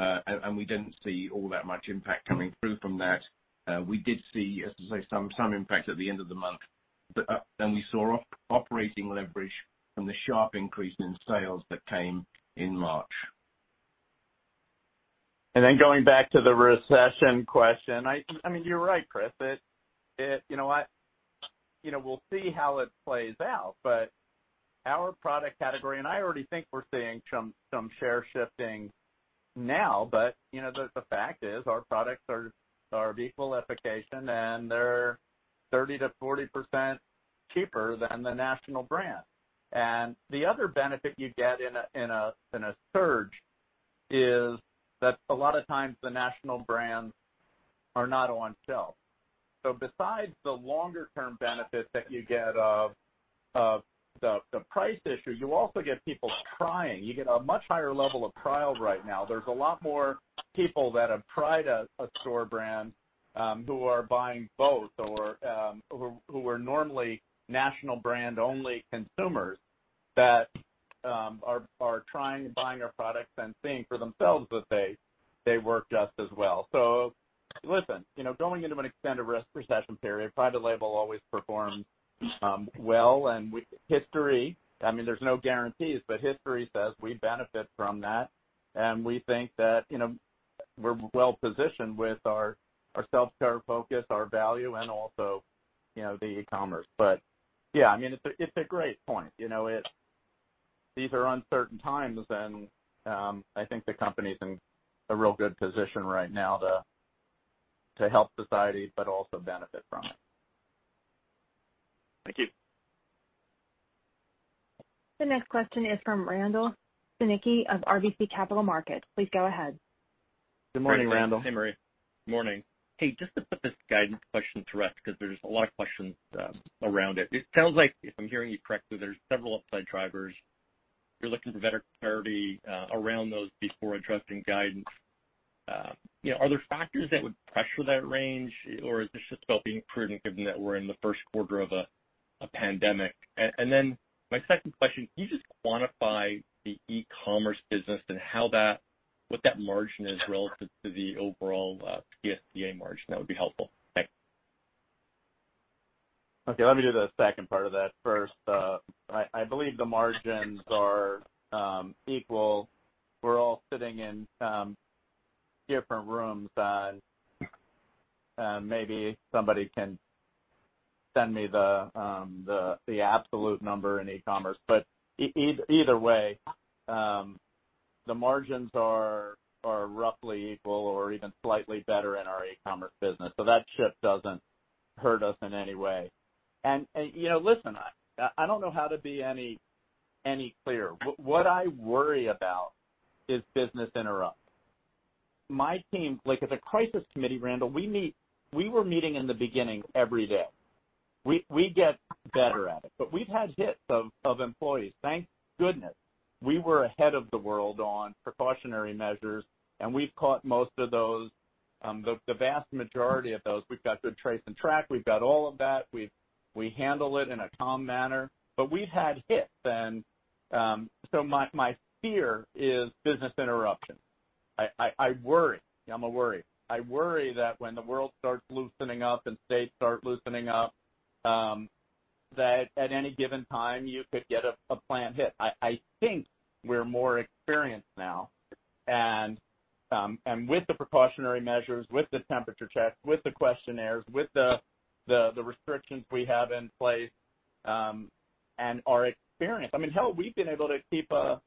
and we didn't see all that much impact coming through from that. We did see, as I say, some impact at the end of the month, and we saw operating leverage from the sharp increase in sales that came in March. Going back to the recession question. You're right, Chris. We'll see how it plays out, but our product category, and I already think we're seeing some share shifting now, but the fact is our products are of equal efficacy, and they're 30%-40% cheaper than the national brand. The other benefit you get in a surge is that a lot of times the national brands are not on sale. Besides the longer-term benefits that you get of the price issue, you also get people trying. You get a much higher level of trial right now. There's a lot more people that have tried a store brand, who are buying both or who were normally national brand only consumers that are trying and buying our products and seeing for themselves that they work just as well. Listen, going into an extended risk recession period, private label always performs well. There's no guarantees, history says we benefit from that, we think that we're well-positioned with our self-care focus, our value, and also the e-commerce. Yeah, it's a great point. These are uncertain times, I think the company's in a real good position right now to help society but also benefit from it. Thank you. The next question is from Randall Stanicky of RBC Capital Markets. Please go ahead. Good morning, Randall. Hey, Murray. Good morning. Hey, just to put this guidance question to rest, because there's a lot of questions around it. It sounds like if I'm hearing you correctly, there's several upside drivers. You're looking for better clarity around those before addressing guidance. Are there factors that would pressure that range, or is this just about being prudent given that we're in the first quarter of a pandemic? My second question, can you just quantify the e-commerce business and what that margin is relative to the overall CSCA margin? That would be helpful. Thanks. Okay, let me do the second part of that first. I believe the margins are equal. We're all sitting in different rooms and maybe somebody can send me the absolute number in e-commerce. Either way, the margins are roughly equal or even slightly better in our e-commerce business. That ship doesn't hurt us in any way. Listen, I don't know how to be any clearer. What I worry about is business interruption. My team, like as a crisis committee, Randall, we were meeting in the beginning every day. We get better at it, but we've had hits of employees. Thank goodness we were ahead of the world on precautionary measures, and we've caught most of those, the vast majority of those. We've got good trace and track. We've got all of that. We handle it in a calm manner. We've had hits. My fear is business interruption. I worry. I worry that when the world starts loosening up and states start loosening up, that at any given time you could get a plant hit. I think we're more experienced now with the precautionary measures, with the temperature checks, with the questionnaires, with the restrictions we have in place, and our experience. Hell, we have been able to keep a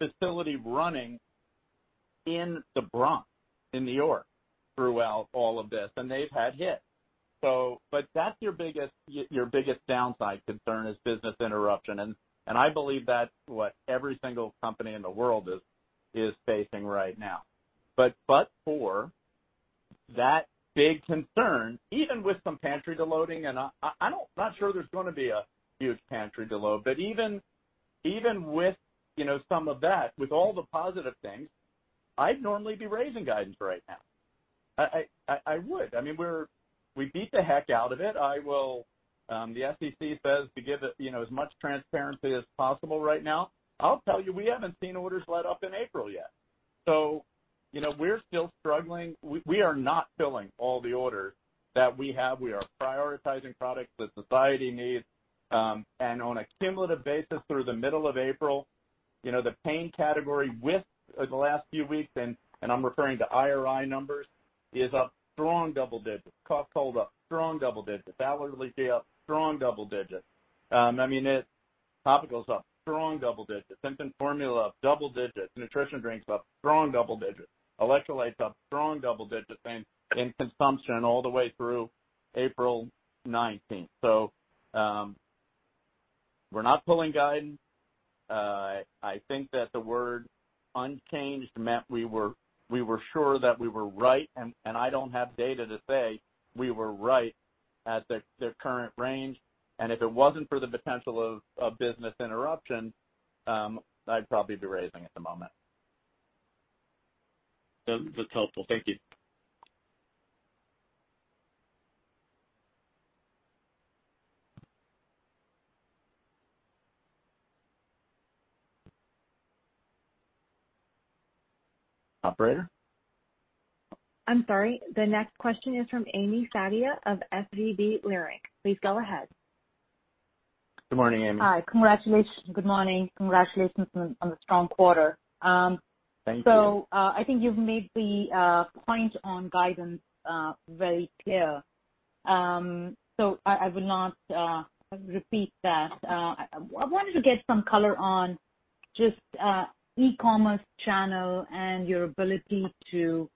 facility running in the Bronx, in New York, throughout all of this, and they've had hits. That's your biggest downside concern is business interruption, and I believe that's what every single company in the world is facing right now. For that big concern, even with some pantry de-loading, and I'm not sure there's going to be a huge pantry de-load, even with some of that, with all the positive things, I'd normally be raising guidance right now. I would. We beat the heck out of it. The SEC says to give as much transparency as possible right now. I'll tell you, we haven't seen orders let up in April yet. We're still struggling. We are not filling all the orders that we have. We are prioritizing products that society needs. On a cumulative basis through the middle of April, the pain category with the last few weeks, and I'm referring to IRI numbers, is up strong double digits. Cough cold up strong double digits. Allergy is up strong double digits. Topicals up strong double digits. Infant formula up double digits. Nutrition drinks up strong double digits. Electrolytes up strong double digits in consumption all the way through April 19th. We're not pulling guidance. I think that the word unchanged meant we were sure that we were right, and I don't have data to say we were right at the current range. If it wasn't for the potential of business interruption, I'd probably be raising at the moment. That's helpful. Thank you. Operator? I'm sorry. The next question is from Ami Fadia of SVB Leerink. Please go ahead. Good morning, Ami. Hi. Good morning. Congratulations on the strong quarter. Thank you. I think you've made the point on guidance very clear. I will not repeat that. I wanted to get some color on just e-commerce channel and your ability to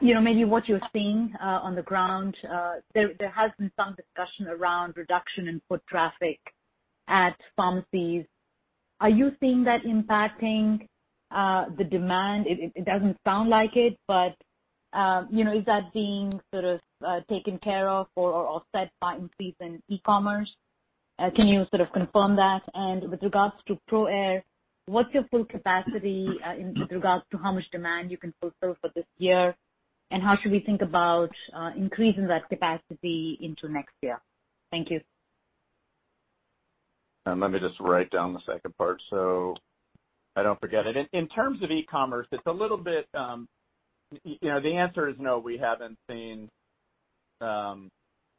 Maybe what you're seeing on the ground. There has been some discussion around reduction in foot traffic at pharmacies. Are you seeing that impacting the demand? It doesn't sound like it, but is that being sort of taken care of or offset by increase in e-commerce? Can you sort of confirm that? With regards to ProAir, what's your full capacity in regards to how much demand you can fulfill for this year, and how should we think about increasing that capacity into next year? Thank you. Let me just write down the second part so I don't forget it. In terms of e-commerce, the answer is no, we haven't seen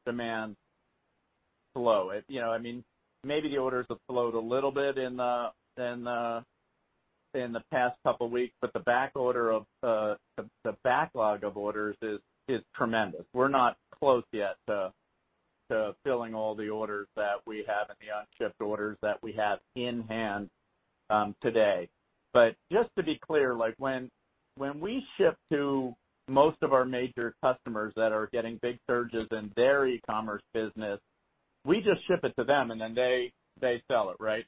demand slow. Maybe the orders have slowed a little bit in the past couple of weeks, but the backlog of orders is tremendous. We're not close yet to filling all the orders that we have and the unshipped orders that we have in hand today. Just to be clear, when we ship to most of our major customers that are getting big surges in their e-commerce business, we just ship it to them, and then they sell it, right?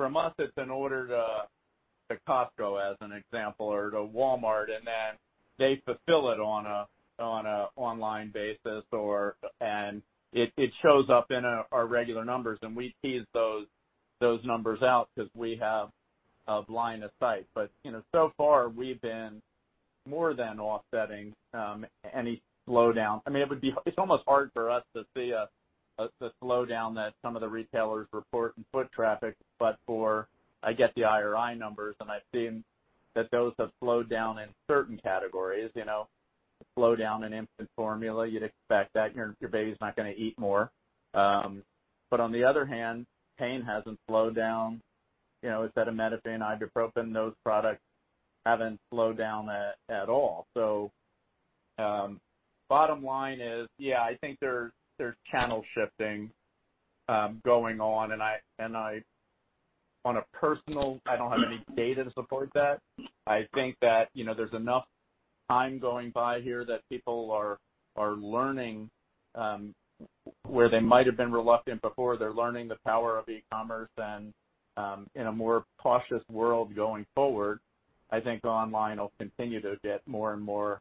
From us, it's an order to Costco, as an example, or to Walmart, and then they fulfill it on a online basis, and it shows up in our regular numbers, and we tease those numbers out because we have a line of sight. So far, we've been more than offsetting any slowdown. It's almost hard for us to see a slowdown that some of the retailers report in foot traffic. For, I get the IRI numbers, and I've seen that those have slowed down in certain categories. Slow down in infant formula. You'd expect that. Your baby's not going to eat more. On the other hand, pain hasn't slowed down. acetaminophen, ibuprofen, those products haven't slowed down at all. Bottom line is, yeah, I think there's channel shifting going on, and on a personal, I don't have any data to support that. I think that there's enough time going by here that people are learning. Where they might have been reluctant before, they're learning the power of e-commerce. In a more cautious world going forward, I think online will continue to get more and more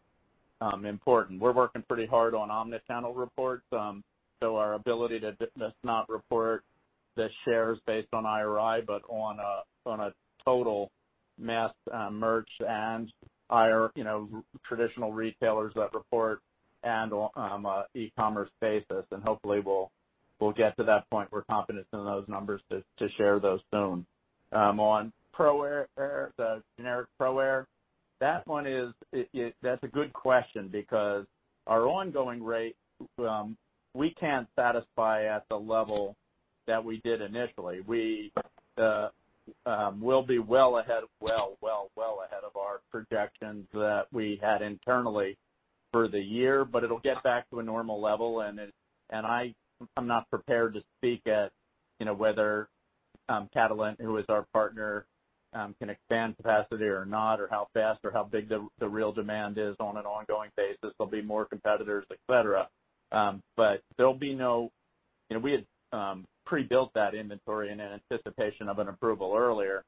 important. We're working pretty hard on omnichannel reports, our ability to just not report the shares based on IRI, but on a total mass merch and traditional retailers that report, and on a e-commerce basis. Hopefully we'll get to that point. We're confident in those numbers to share those soon. On ProAir, the generic ProAir, that's a good question because our ongoing rate, we can't satisfy at the level that we did initially. We'll be well ahead of our projections that we had internally for the year, but it'll get back to a normal level, and I'm not prepared to speak at whether Catalent, who is our partner, can expand capacity or not, or how fast or how big the real demand is on an ongoing basis. There'll be more competitors, et cetera. We had pre-built that inventory in anticipation of an approval earlier.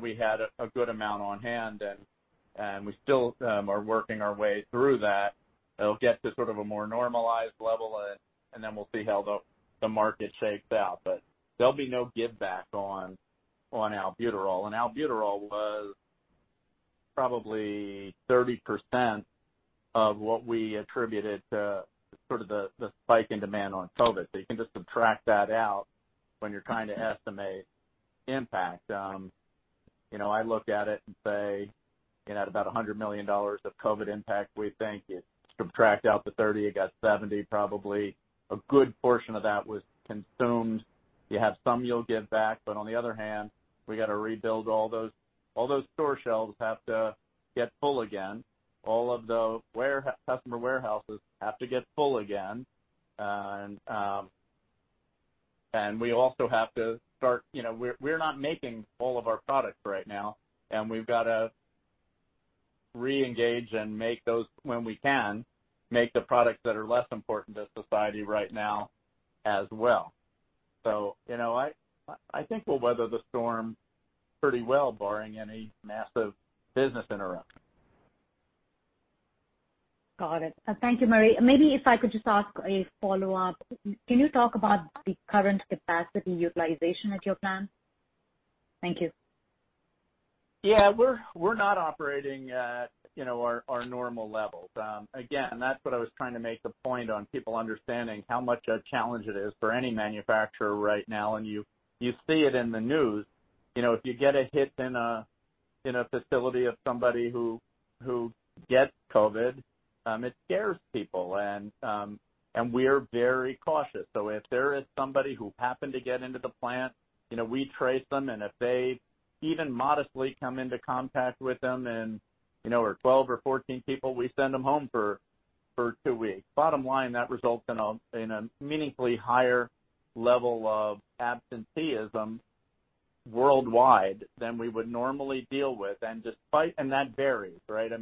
We had a good amount on hand, and we still are working our way through that. It'll get to sort of a more normalized level, and then we'll see how the market shakes out. There'll be no giveback on albuterol. Albuterol was probably 30% of what we attributed to sort of the spike in demand on COVID-19. You can just subtract that out when you're trying to estimate impact. I look at it and say, at about $100 million of COVID-19 impact, we think you subtract out the 30, you got 70, probably. A good portion of that was consumed. You have some you'll give back, but on the other hand, we got to rebuild, all those store shelves have to get full again. All of the customer warehouses have to get full again. We also have to start. We're not making all of our products right now, and we've got to re-engage and make those when we can, make the products that are less important to society right now as well. I think we'll weather the storm pretty well, barring any massive business interruption. Got it. Thank you, Murray. Maybe if I could just ask a follow-up. Can you talk about the current capacity utilization at your plant? Thank you. Yeah. We're not operating at our normal levels. That's what I was trying to make the point on people understanding how much a challenge it is for any manufacturer right now. You see it in the news. If you get a hit in a facility of somebody who gets COVID, it scares people. We're very cautious. If there is somebody who happened to get into the plant, we trace them, if they even modestly come into contact with them in or 12 or 14 people, we send them home for two weeks. Bottom line, that results in a meaningfully higher level of absenteeism worldwide than we would normally deal with. That varies, right?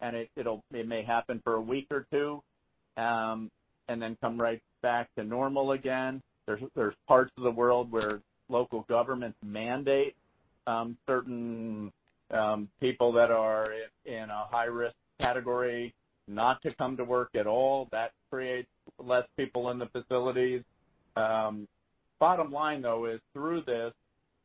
It may happen for a week or two, then come right back to normal again. There's parts of the world where local governments mandate certain people that are in a high-risk category not to come to work at all. That creates less people in the facilities. Bottom line, though, is through this,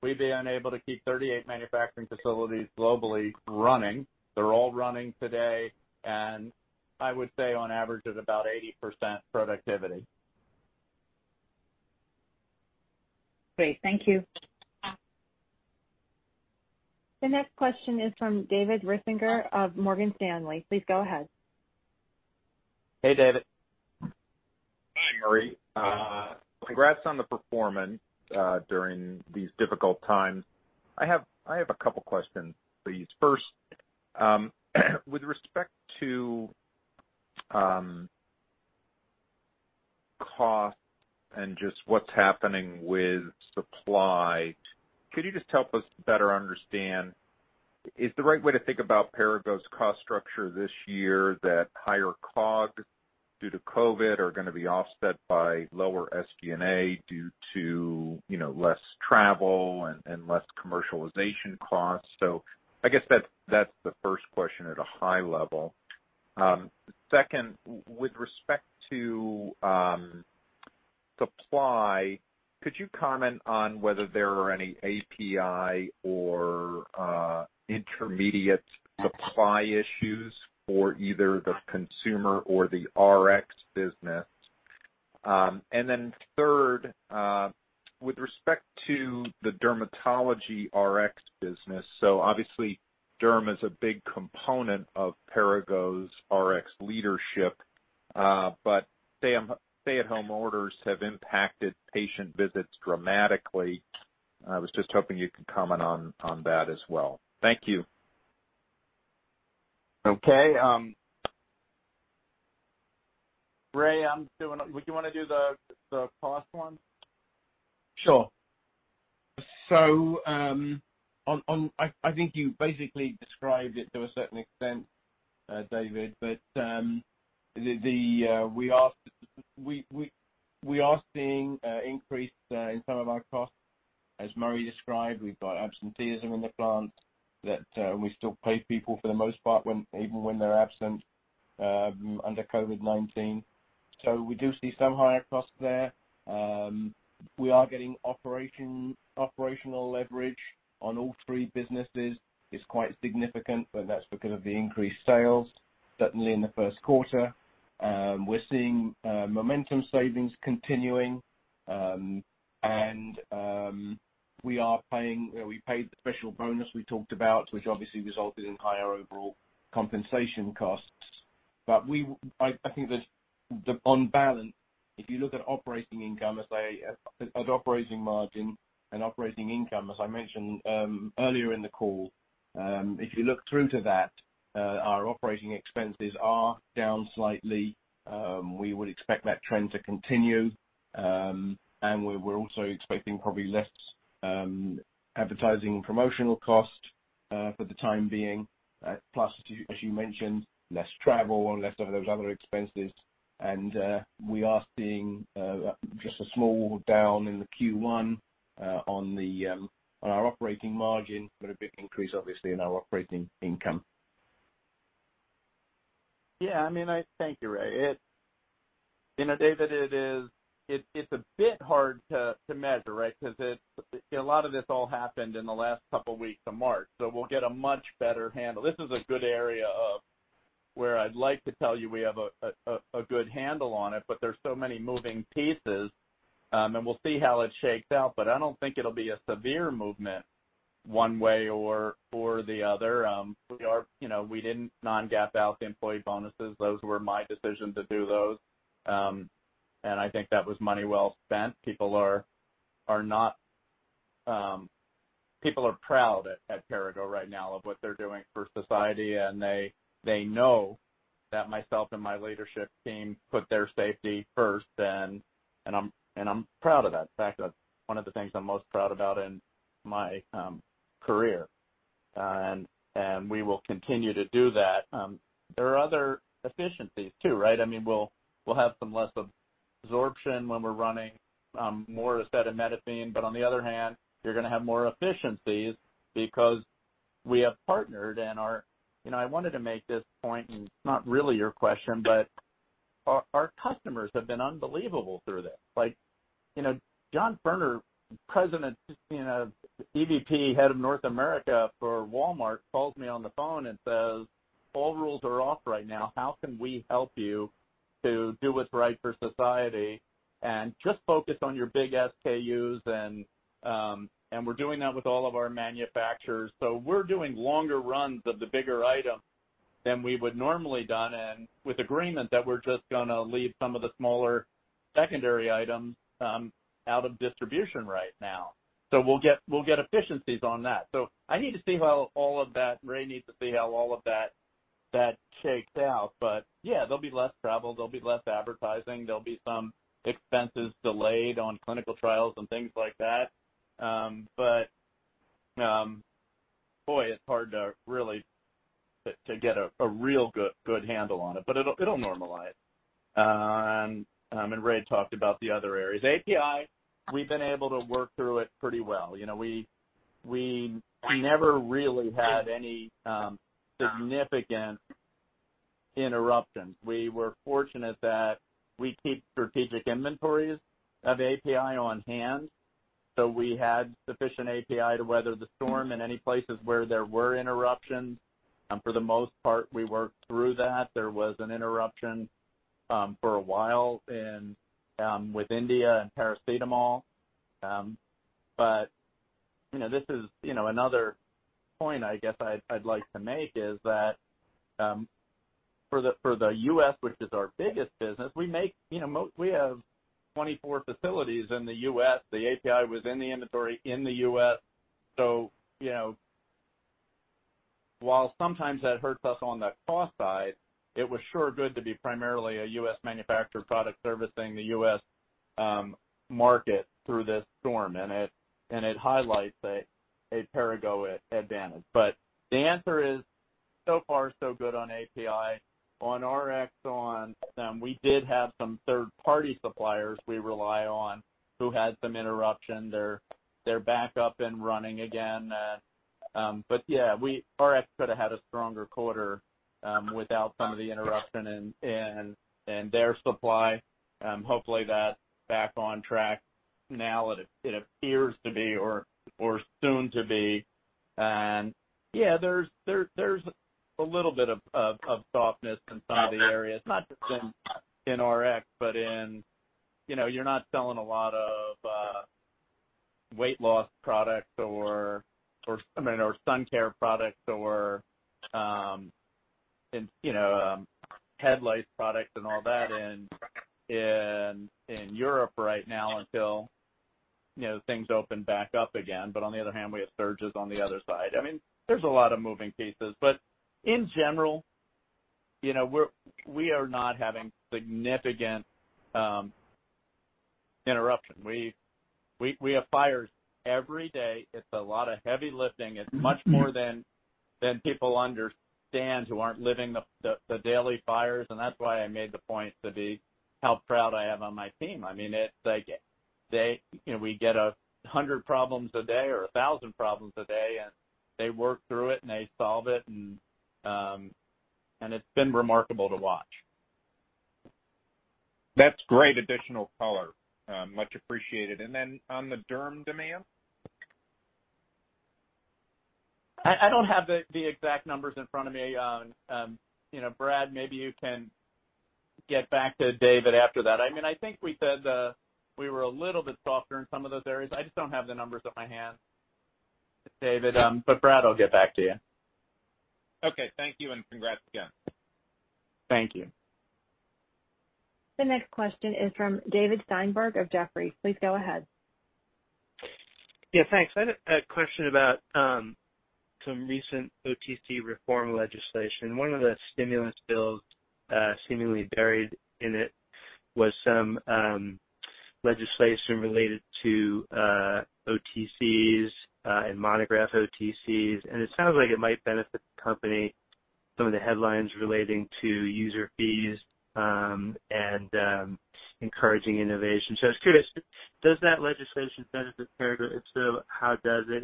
we've been able to keep 38 manufacturing facilities globally running. They're all running today, and I would say on average at about 80% productivity. Great. Thank you. The next question is from David Risinger of Morgan Stanley. Please go ahead. Hey, David. Hi, Murray. Congrats on the performance during these difficult times. I have a couple questions, please. First with respect to cost and just what's happening with supply, could you just help us better understand, is the right way to think about Perrigo's cost structure this year that higher COGS due to COVID are going to be offset by lower SG&A due to less travel and less commercialization costs? I guess that's the first question at a high level. Second, with respect to supply, could you comment on whether there are any API or intermediate supply issues for either the consumer or the RX business? Third, with respect to the dermatology RX business, so obviously derm is a big component of Perrigo's RX leadership. Stay-at-home orders have impacted patient visits dramatically. I was just hoping you could comment on that as well. Thank you. Okay. Ray, did you want to do the cost one? Sure. I think you basically described it to a certain extent, David, but we are seeing increase in some of our costs. As Murray described, we've got absenteeism in the plant that we still pay people for the most part, even when they're absent under COVID-19. We do see some higher costs there. We are getting operational leverage on all three businesses. It's quite significant, but that's because of the increased sales, certainly in the first quarter. We're seeing Momentum savings continuing. We paid the special bonus we talked about, which obviously resulted in higher overall compensation costs. I think on balance, if you look at operating margin and operating income, as I mentioned earlier in the call. If you look through to that, our operating expenses are down slightly. We would expect that trend to continue. We're also expecting probably less advertising and promotional cost for the time being. Plus, as you mentioned, less travel and less of those other expenses. We are seeing just a small down in the Q1 on our operating margin, but a big increase, obviously, in our operating income. Yeah. Thank you, Ray. David, it's a bit hard to measure, right? A lot of this all happened in the last couple weeks of March, so we'll get a much better handle. This is a good area of where I'd like to tell you we have a good handle on it, but there's so many moving pieces, and we'll see how it shakes out. I don't think it'll be a severe movement one way or the other. We didn't non-GAAP out the employee bonuses. Those were my decision to do those. I think that was money well spent. People are proud at Perrigo right now of what they're doing for society, and they know that myself and my leadership team put their safety first, and I'm proud of that. In fact, that's one of the things I'm most proud about in my career. We will continue to do that. There are other efficiencies too, right? We'll have some less absorption when we're running more acetaminophen, on the other hand, you're going to have more efficiencies because we have partnered and our customers have been unbelievable through this. John Furner, President, EVP, Head of North America for Walmart, calls me on the phone and says, "All rules are off right now. How can we help you to do what's right for society? Just focus on your big SKUs, and we're doing that with all of our manufacturers." We're doing longer runs of the bigger item than we would normally done, and with agreement that we're just going to leave some of the smaller secondary items out of distribution right now. We'll get efficiencies on that. I need to see how all of that, Ray needs to see how all of that shakes out. Yeah, there'll be less travel. There'll be less advertising. There'll be some expenses delayed on clinical trials and things like that. Boy, it's hard to get a real good handle on it, but it'll normalize. Ray talked about the other areas. API, we've been able to work through it pretty well. We never really had any significant interruptions. We were fortunate that we keep strategic inventories of API on hand. We had sufficient API to weather the storm in any places where there were interruptions. For the most part, we worked through that. There was an interruption for a while with India and paracetamol. Another point I guess I'd like to make is that for the U.S., which is our biggest business, we have 24 facilities in the U.S. The API was in the inventory in the U.S. While sometimes that hurts us on the cost side, it was sure good to be primarily a U.S. manufacturer product servicing the U.S. market through this storm. It highlights a Perrigo advantage. The answer is, so far, so good on API. On RX, we did have some third-party suppliers we rely on who had some interruption. They're back up and running again. Yeah, RX could have had a stronger quarter without some of the interruption in their supply. Hopefully that's back on track now. It appears to be or soon to be. Yeah, there's a little bit of softness in some of the areas, not just in Rx, but you're not selling a lot of weight loss products or sun care products or head lice products and all that in Europe right now until things open back up again. On the other hand, we have surges on the other side. There's a lot of moving pieces. In general, we are not having significant interruption. We have fires every day. It's a lot of heavy lifting. It's much more than people understand who aren't living the daily fires. That's why I made the point, David, how proud I am of my team. We get 100 problems a day or 1,000 problems a day, and they work through it, and they solve it, and it's been remarkable to watch. That's great additional color. Much appreciated. On the derm demand? I don't have the exact numbers in front of me. Brad, maybe you can get back to David after that. I think we said we were a little bit softer in some of those areas. I just don't have the numbers at my hand, David, Brad will get back to you. Okay. Thank you, and congrats again. Thank you. The next question is from David Steinberg of Jefferies. Please go ahead. Yeah, thanks. I had a question about some recent OTC reform legislation. One of the stimulus bills seemingly buried in it was some legislation related to OTCs and monograph OTCs. It sounds like it might benefit the company, some of the headlines relating to user fees and encouraging innovation. I was curious, does that legislation benefit Perrigo? If so, how does it,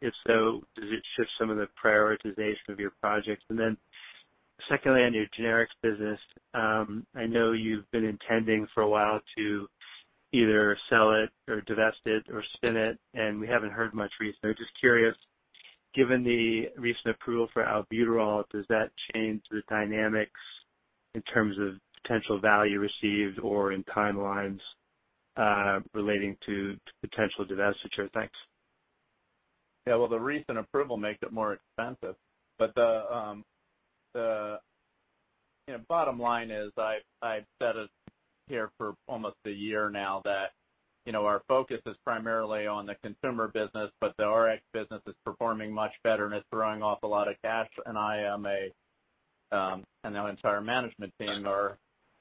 if so, does it shift some of the prioritization of your projects? Secondly, on your generics business, I know you've been intending for a while to either sell it or divest it or spin it. We haven't heard much recently. Just curious, given the recent approval for albuterol, does that change the dynamics in terms of potential value received or in timelines relating to potential divestiture? Thanks. Yeah, well, the recent approval makes it more expensive. The bottom line is, I've said it here for almost a year now that our focus is primarily on the consumer business, but the Rx business is performing much better, and it's throwing off a lot of cash, and I am a, and now entire management team are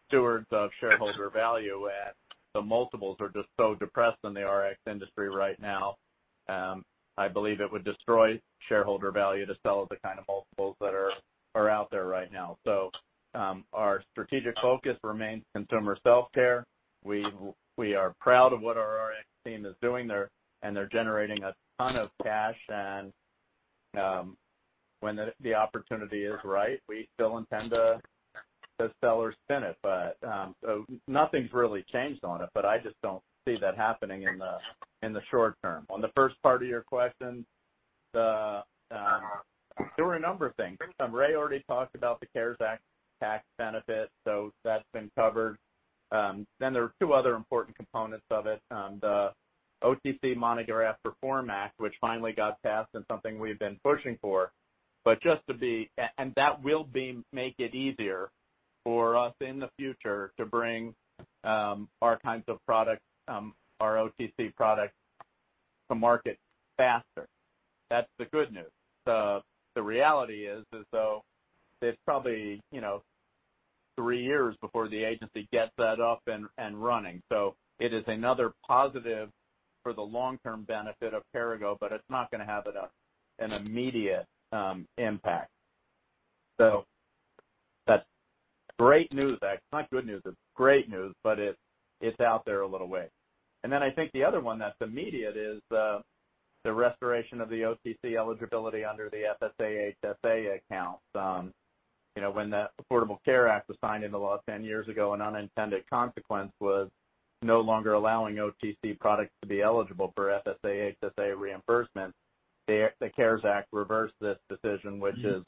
stewards of shareholder value, and the multiples are just so depressed in the Rx industry right now. I believe it would destroy shareholder value to sell at the kind of multiples that are out there right now. Our strategic focus remains Consumer Self-Care. We are proud of what our Rx team is doing there, and they're generating a ton of cash. When the opportunity is right, we still intend to sell or spin it. Nothing's really changed on it, but I just don't see that happening in the short term. On the first part of your question, there were a number of things. Ray already talked about the CARES Act tax benefit, that's been covered. There are two other important components of it. The OTC Monograph Reform Act, which finally got passed and something we've been pushing for. That will make it easier for us in the future to bring our kinds of products, our OTC products to market faster. That's the good news. The reality is though it's probably three years before the agency gets that up and running. It is another positive for the long-term benefit of Perrigo, but it's not going to have an immediate impact. That's great news. It's not good news, it's great news, it's out there a little ways. I think the other one that's immediate is the restoration of the OTC eligibility under the FSA/HSA accounts. When the Affordable Care Act was signed into law 10 years ago, an unintended consequence was no longer allowing OTC products to be eligible for FSA/HSA reimbursement. The CARES Act reversed this decision, which is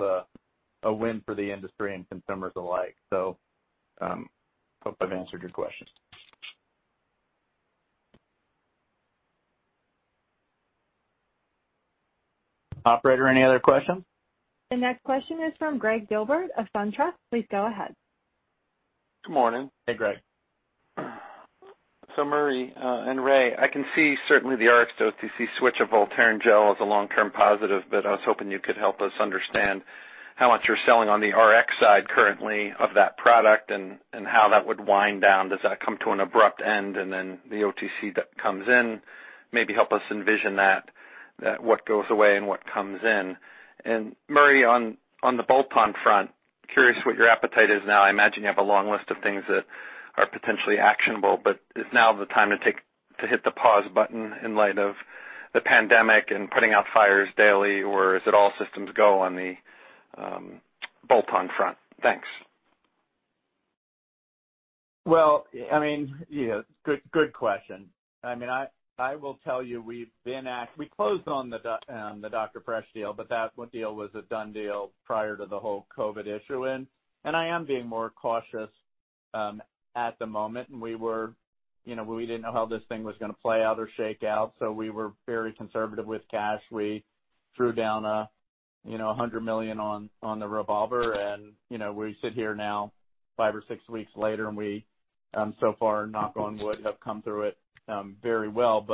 a win for the industry and consumers alike. Hope I've answered your question. Operator, any other questions? The next question is from Gregg Gilbert of SunTrust. Please go ahead. Good morning. Hey, Gregg. Murray, and Ray, I can see certainly the Rx to OTC switch of Voltaren Gel as a long-term positive, I was hoping you could help us understand how much you're selling on the Rx side currently of that product and how that would wind down. Does that come to an abrupt end and then the OTC that comes in? Maybe help us envision that, what goes away and what comes in. Murray, on the bolt-on front, curious what your appetite is now. I imagine you have a long list of things that are potentially actionable, is now the time to hit the pause button in light of the pandemic and putting out fires daily, or is it all systems go on the bolt-on front? Thanks. Good question. I will tell you, we closed on the Dr. Fresh deal, that deal was a done deal prior to the whole COVID-19 issue. I am being more cautious at the moment. We didn't know how this thing was going to play out or shake out, we were very conservative with cash. We threw down $100 million on the revolver, we sit here now, five or six weeks later, we, so far, knock on wood, have come through it very well.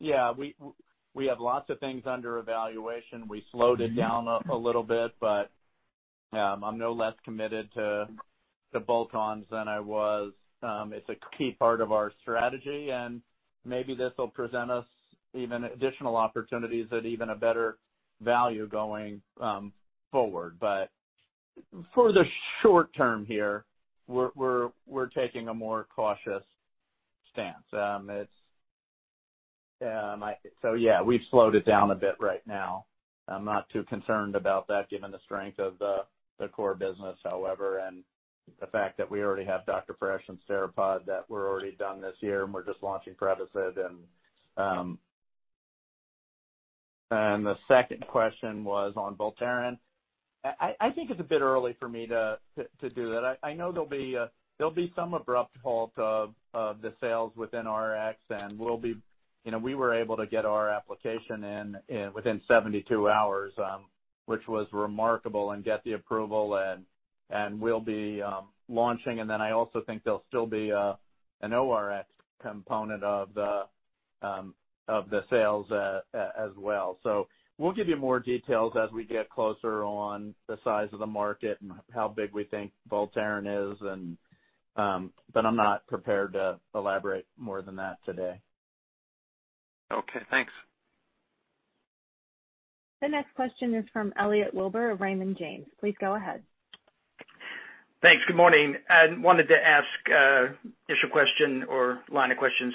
Yeah, we have lots of things under evaluation. We slowed it down a little bit, I'm no less committed to bolt-ons than I was. It's a key part of our strategy, maybe this will present us even additional opportunities at even a better value going forward. For the short term here, we're taking a more cautious stance. Yeah, we've slowed it down a bit right now. I'm not too concerned about that given the strength of the core business, however, and the fact that we already have Dr. Fresh and Steripod that we're already done this year, and we're just launching Prevacid. The second question was on Voltaren. I think it's a bit early for me to do that. I know there'll be some abrupt halt of the sales within Rx, and we were able to get our application in within 72 hours, which was remarkable and get the approval, and we'll be launching. Then I also think there'll still be an OTC/Rx component of the sales as well. We'll give you more details as we get closer on the size of the market and how big we think Voltaren is. I'm not prepared to elaborate more than that today. Okay, thanks. The next question is from Elliot Wilbur of Raymond James. Please go ahead. Thanks. Good morning. I wanted to ask an initial question or line of questions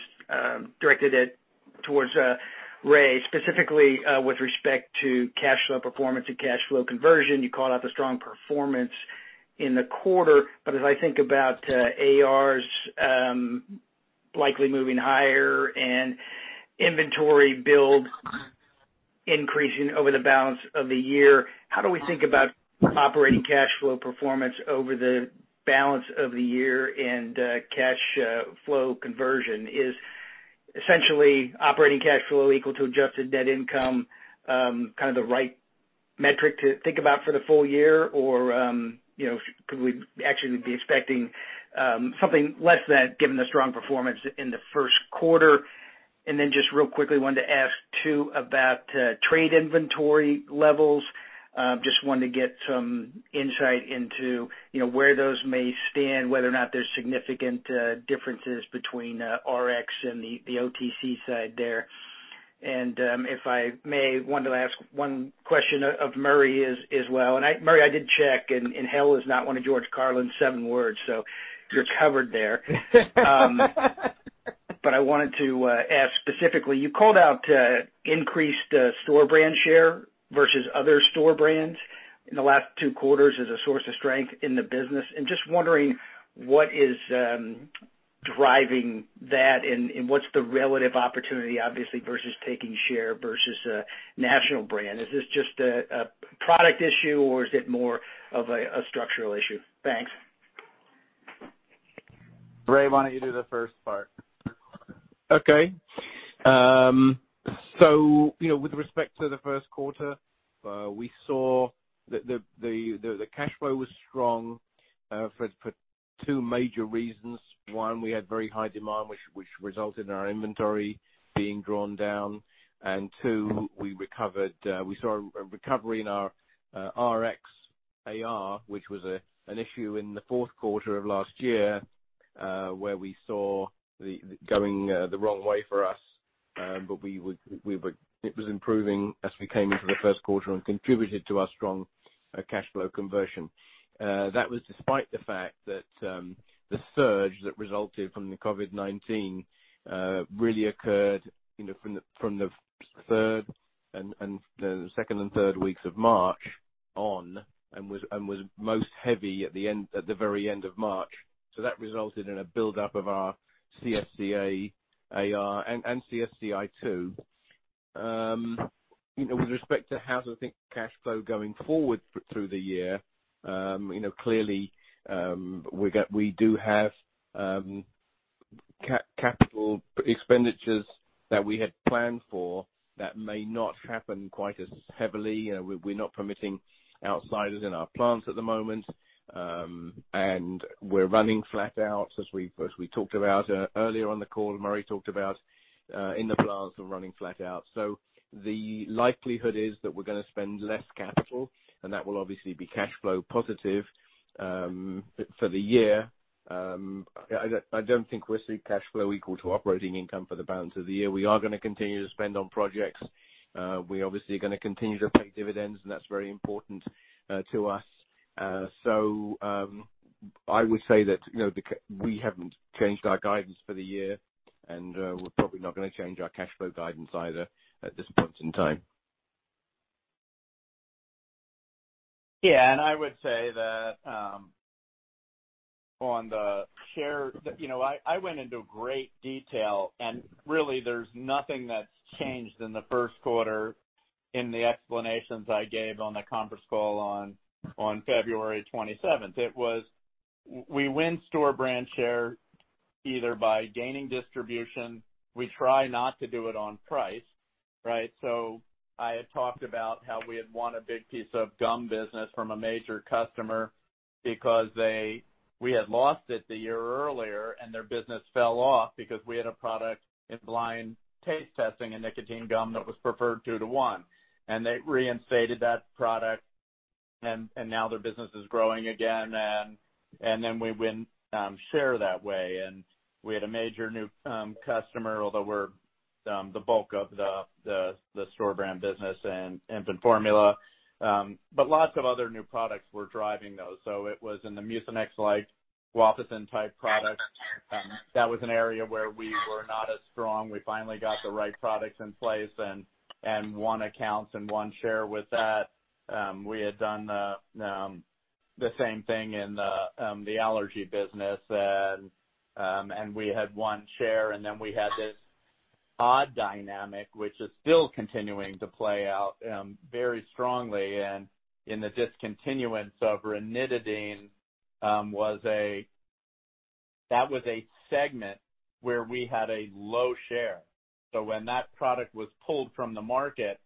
directed towards Ray, specifically with respect to cash flow performance and cash flow conversion. You called out the strong performance in the quarter. As I think about ARs likely moving higher and inventory build increasing over the balance of the year, how do we think about operating cash flow performance over the balance of the year and cash flow conversion? Is essentially operating cash flow equal to adjusted net income, kind of the right metric to think about for the full year? Could we actually be expecting something less than given the strong performance in the first quarter? Just real quickly, wanted to ask too about trade inventory levels. Just wanted to get some insight into where those may stand, whether or not there's significant differences between Rx and the OTC side there. If I may, wanted to ask one question of Murray as well. Murray, I did check, and hell is not one of George Carlin's seven words, so you're covered there. I wanted to ask specifically, you called out increased store brand share versus other store brands in the last two quarters as a source of strength in the business. I'm just wondering what is driving that and what's the relative opportunity, obviously, versus taking share versus a national brand. Is this just a product issue or is it more of a structural issue? Thanks. Ray, why don't you do the first part? Okay. With respect to the first quarter, we saw the cash flow was strong for two major reasons. One, we had very high demand, which resulted in our inventory being drawn down. Two, we saw a recovery in our Rx AR, which was an issue in the fourth quarter of last year, where we saw it going the wrong way for us. It was improving as we came into the first quarter and contributed to our strong cash flow conversion. That was despite the fact that the surge that resulted from the COVID-19 really occurred from the second and third weeks of March on and was most heavy at the very end of March. That resulted in a buildup of our CSCA AR and CSCI, too. With respect to how to think cash flow going forward through the year, clearly, we do have capital expenditures that we had planned for that may not happen quite as heavily. We're not permitting outsiders in our plants at the moment. We're running flat out as we talked about earlier on the call, Murray talked about in the plants, we're running flat out. The likelihood is that we're going to spend less capital, and that will obviously be cash flow positive for the year. I don't think we'll see cash flow equal to operating income for the balance of the year. We are going to continue to spend on projects. We obviously are going to continue to pay dividends, and that's very important to us. I would say that we haven't changed our guidance for the year, and we're probably not going to change our cash flow guidance either at this point in time. Yeah. I would say that on the share, I went into great detail, and really there's nothing that's changed in the first quarter in the explanations I gave on the conference call on February 27th. We win store brand share either by gaining distribution. We try not to do it on price. I had talked about how we had won a big piece of gum business from a major customer because we had lost it the year earlier and their business fell off because we had a product in blind taste testing, a nicotine gum that was preferred two to one. They reinstated that product, and now their business is growing again. We win share that way. We had a major new customer, although we're the bulk of the store brand business in infant formula. Lots of other new products were driving those. It was in the Mucinex-like, guaifenesin-type products. That was an area where we were not as strong. We finally got the right products in place, and won accounts and won share with that. We had done the same thing in the allergy business, and we had won share. We had this odd dynamic, which is still continuing to play out very strongly in the discontinuance of ranitidine. That was a segment where we had a low share. When that product was pulled from the market,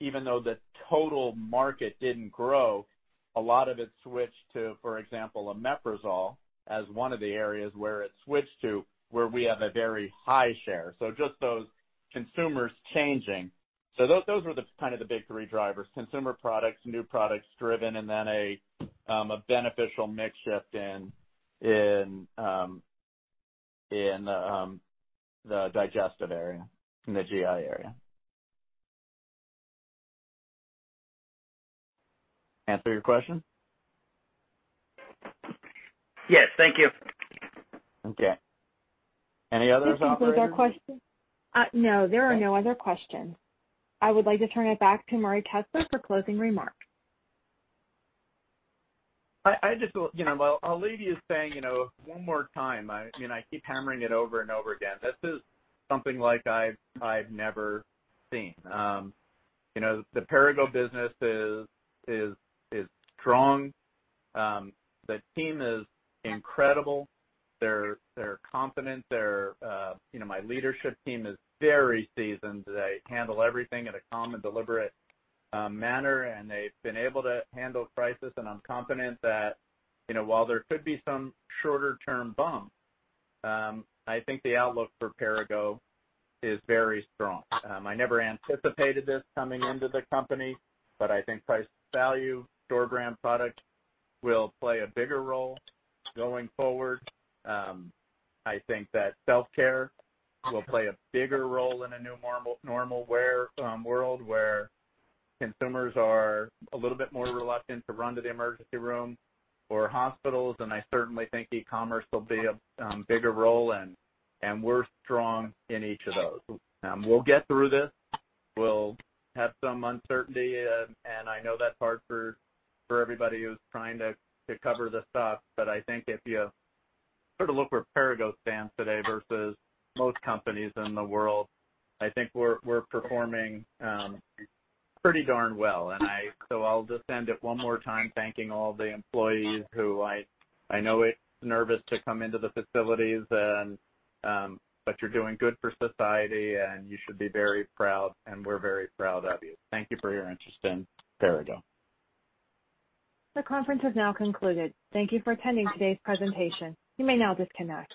even though the total market didn't grow, a lot of it switched to, for example, omeprazole as one of the areas where it switched to, where we have a very high share. Just those consumers changing. Those were the big three drivers, consumer products, new products driven, and then a beneficial mix shift in the digestive area, in the GI area. Answer your question? Yes. Thank you. Okay. Any other operators? This concludes our questions. No, there are no other questions. I would like to turn it back to Murray Kessler for closing remarks. I'll leave you saying, one more time, I keep hammering it over and over again. This is something like I've never seen. The Perrigo business is strong. The team is incredible. They're confident. My leadership team is very seasoned. They handle everything in a calm and deliberate manner, and they've been able to handle crisis. I'm confident that, while there could be some shorter-term bumps, I think the outlook for Perrigo is very strong. I never anticipated this coming into the company, but I think price value store brand product will play a bigger role going forward. I think that self-care will play a bigger role in a new normal world where consumers are a little bit more reluctant to run to the emergency room or hospitals, and I certainly think e-commerce will be a bigger role, and we're strong in each of those. We'll get through this. We'll have some uncertainty. I know that's hard for everybody who's trying to cover the stock. I think if you look where Perrigo stands today versus most companies in the world, I think we're performing pretty darn well. I'll just end it one more time, thanking all the employees who I know it's nervous to come into the facilities, but you're doing good for society, and you should be very proud, and we're very proud of you. Thank you for your interest in Perrigo. The conference has now concluded. Thank you for attending today's presentation. You may now disconnect.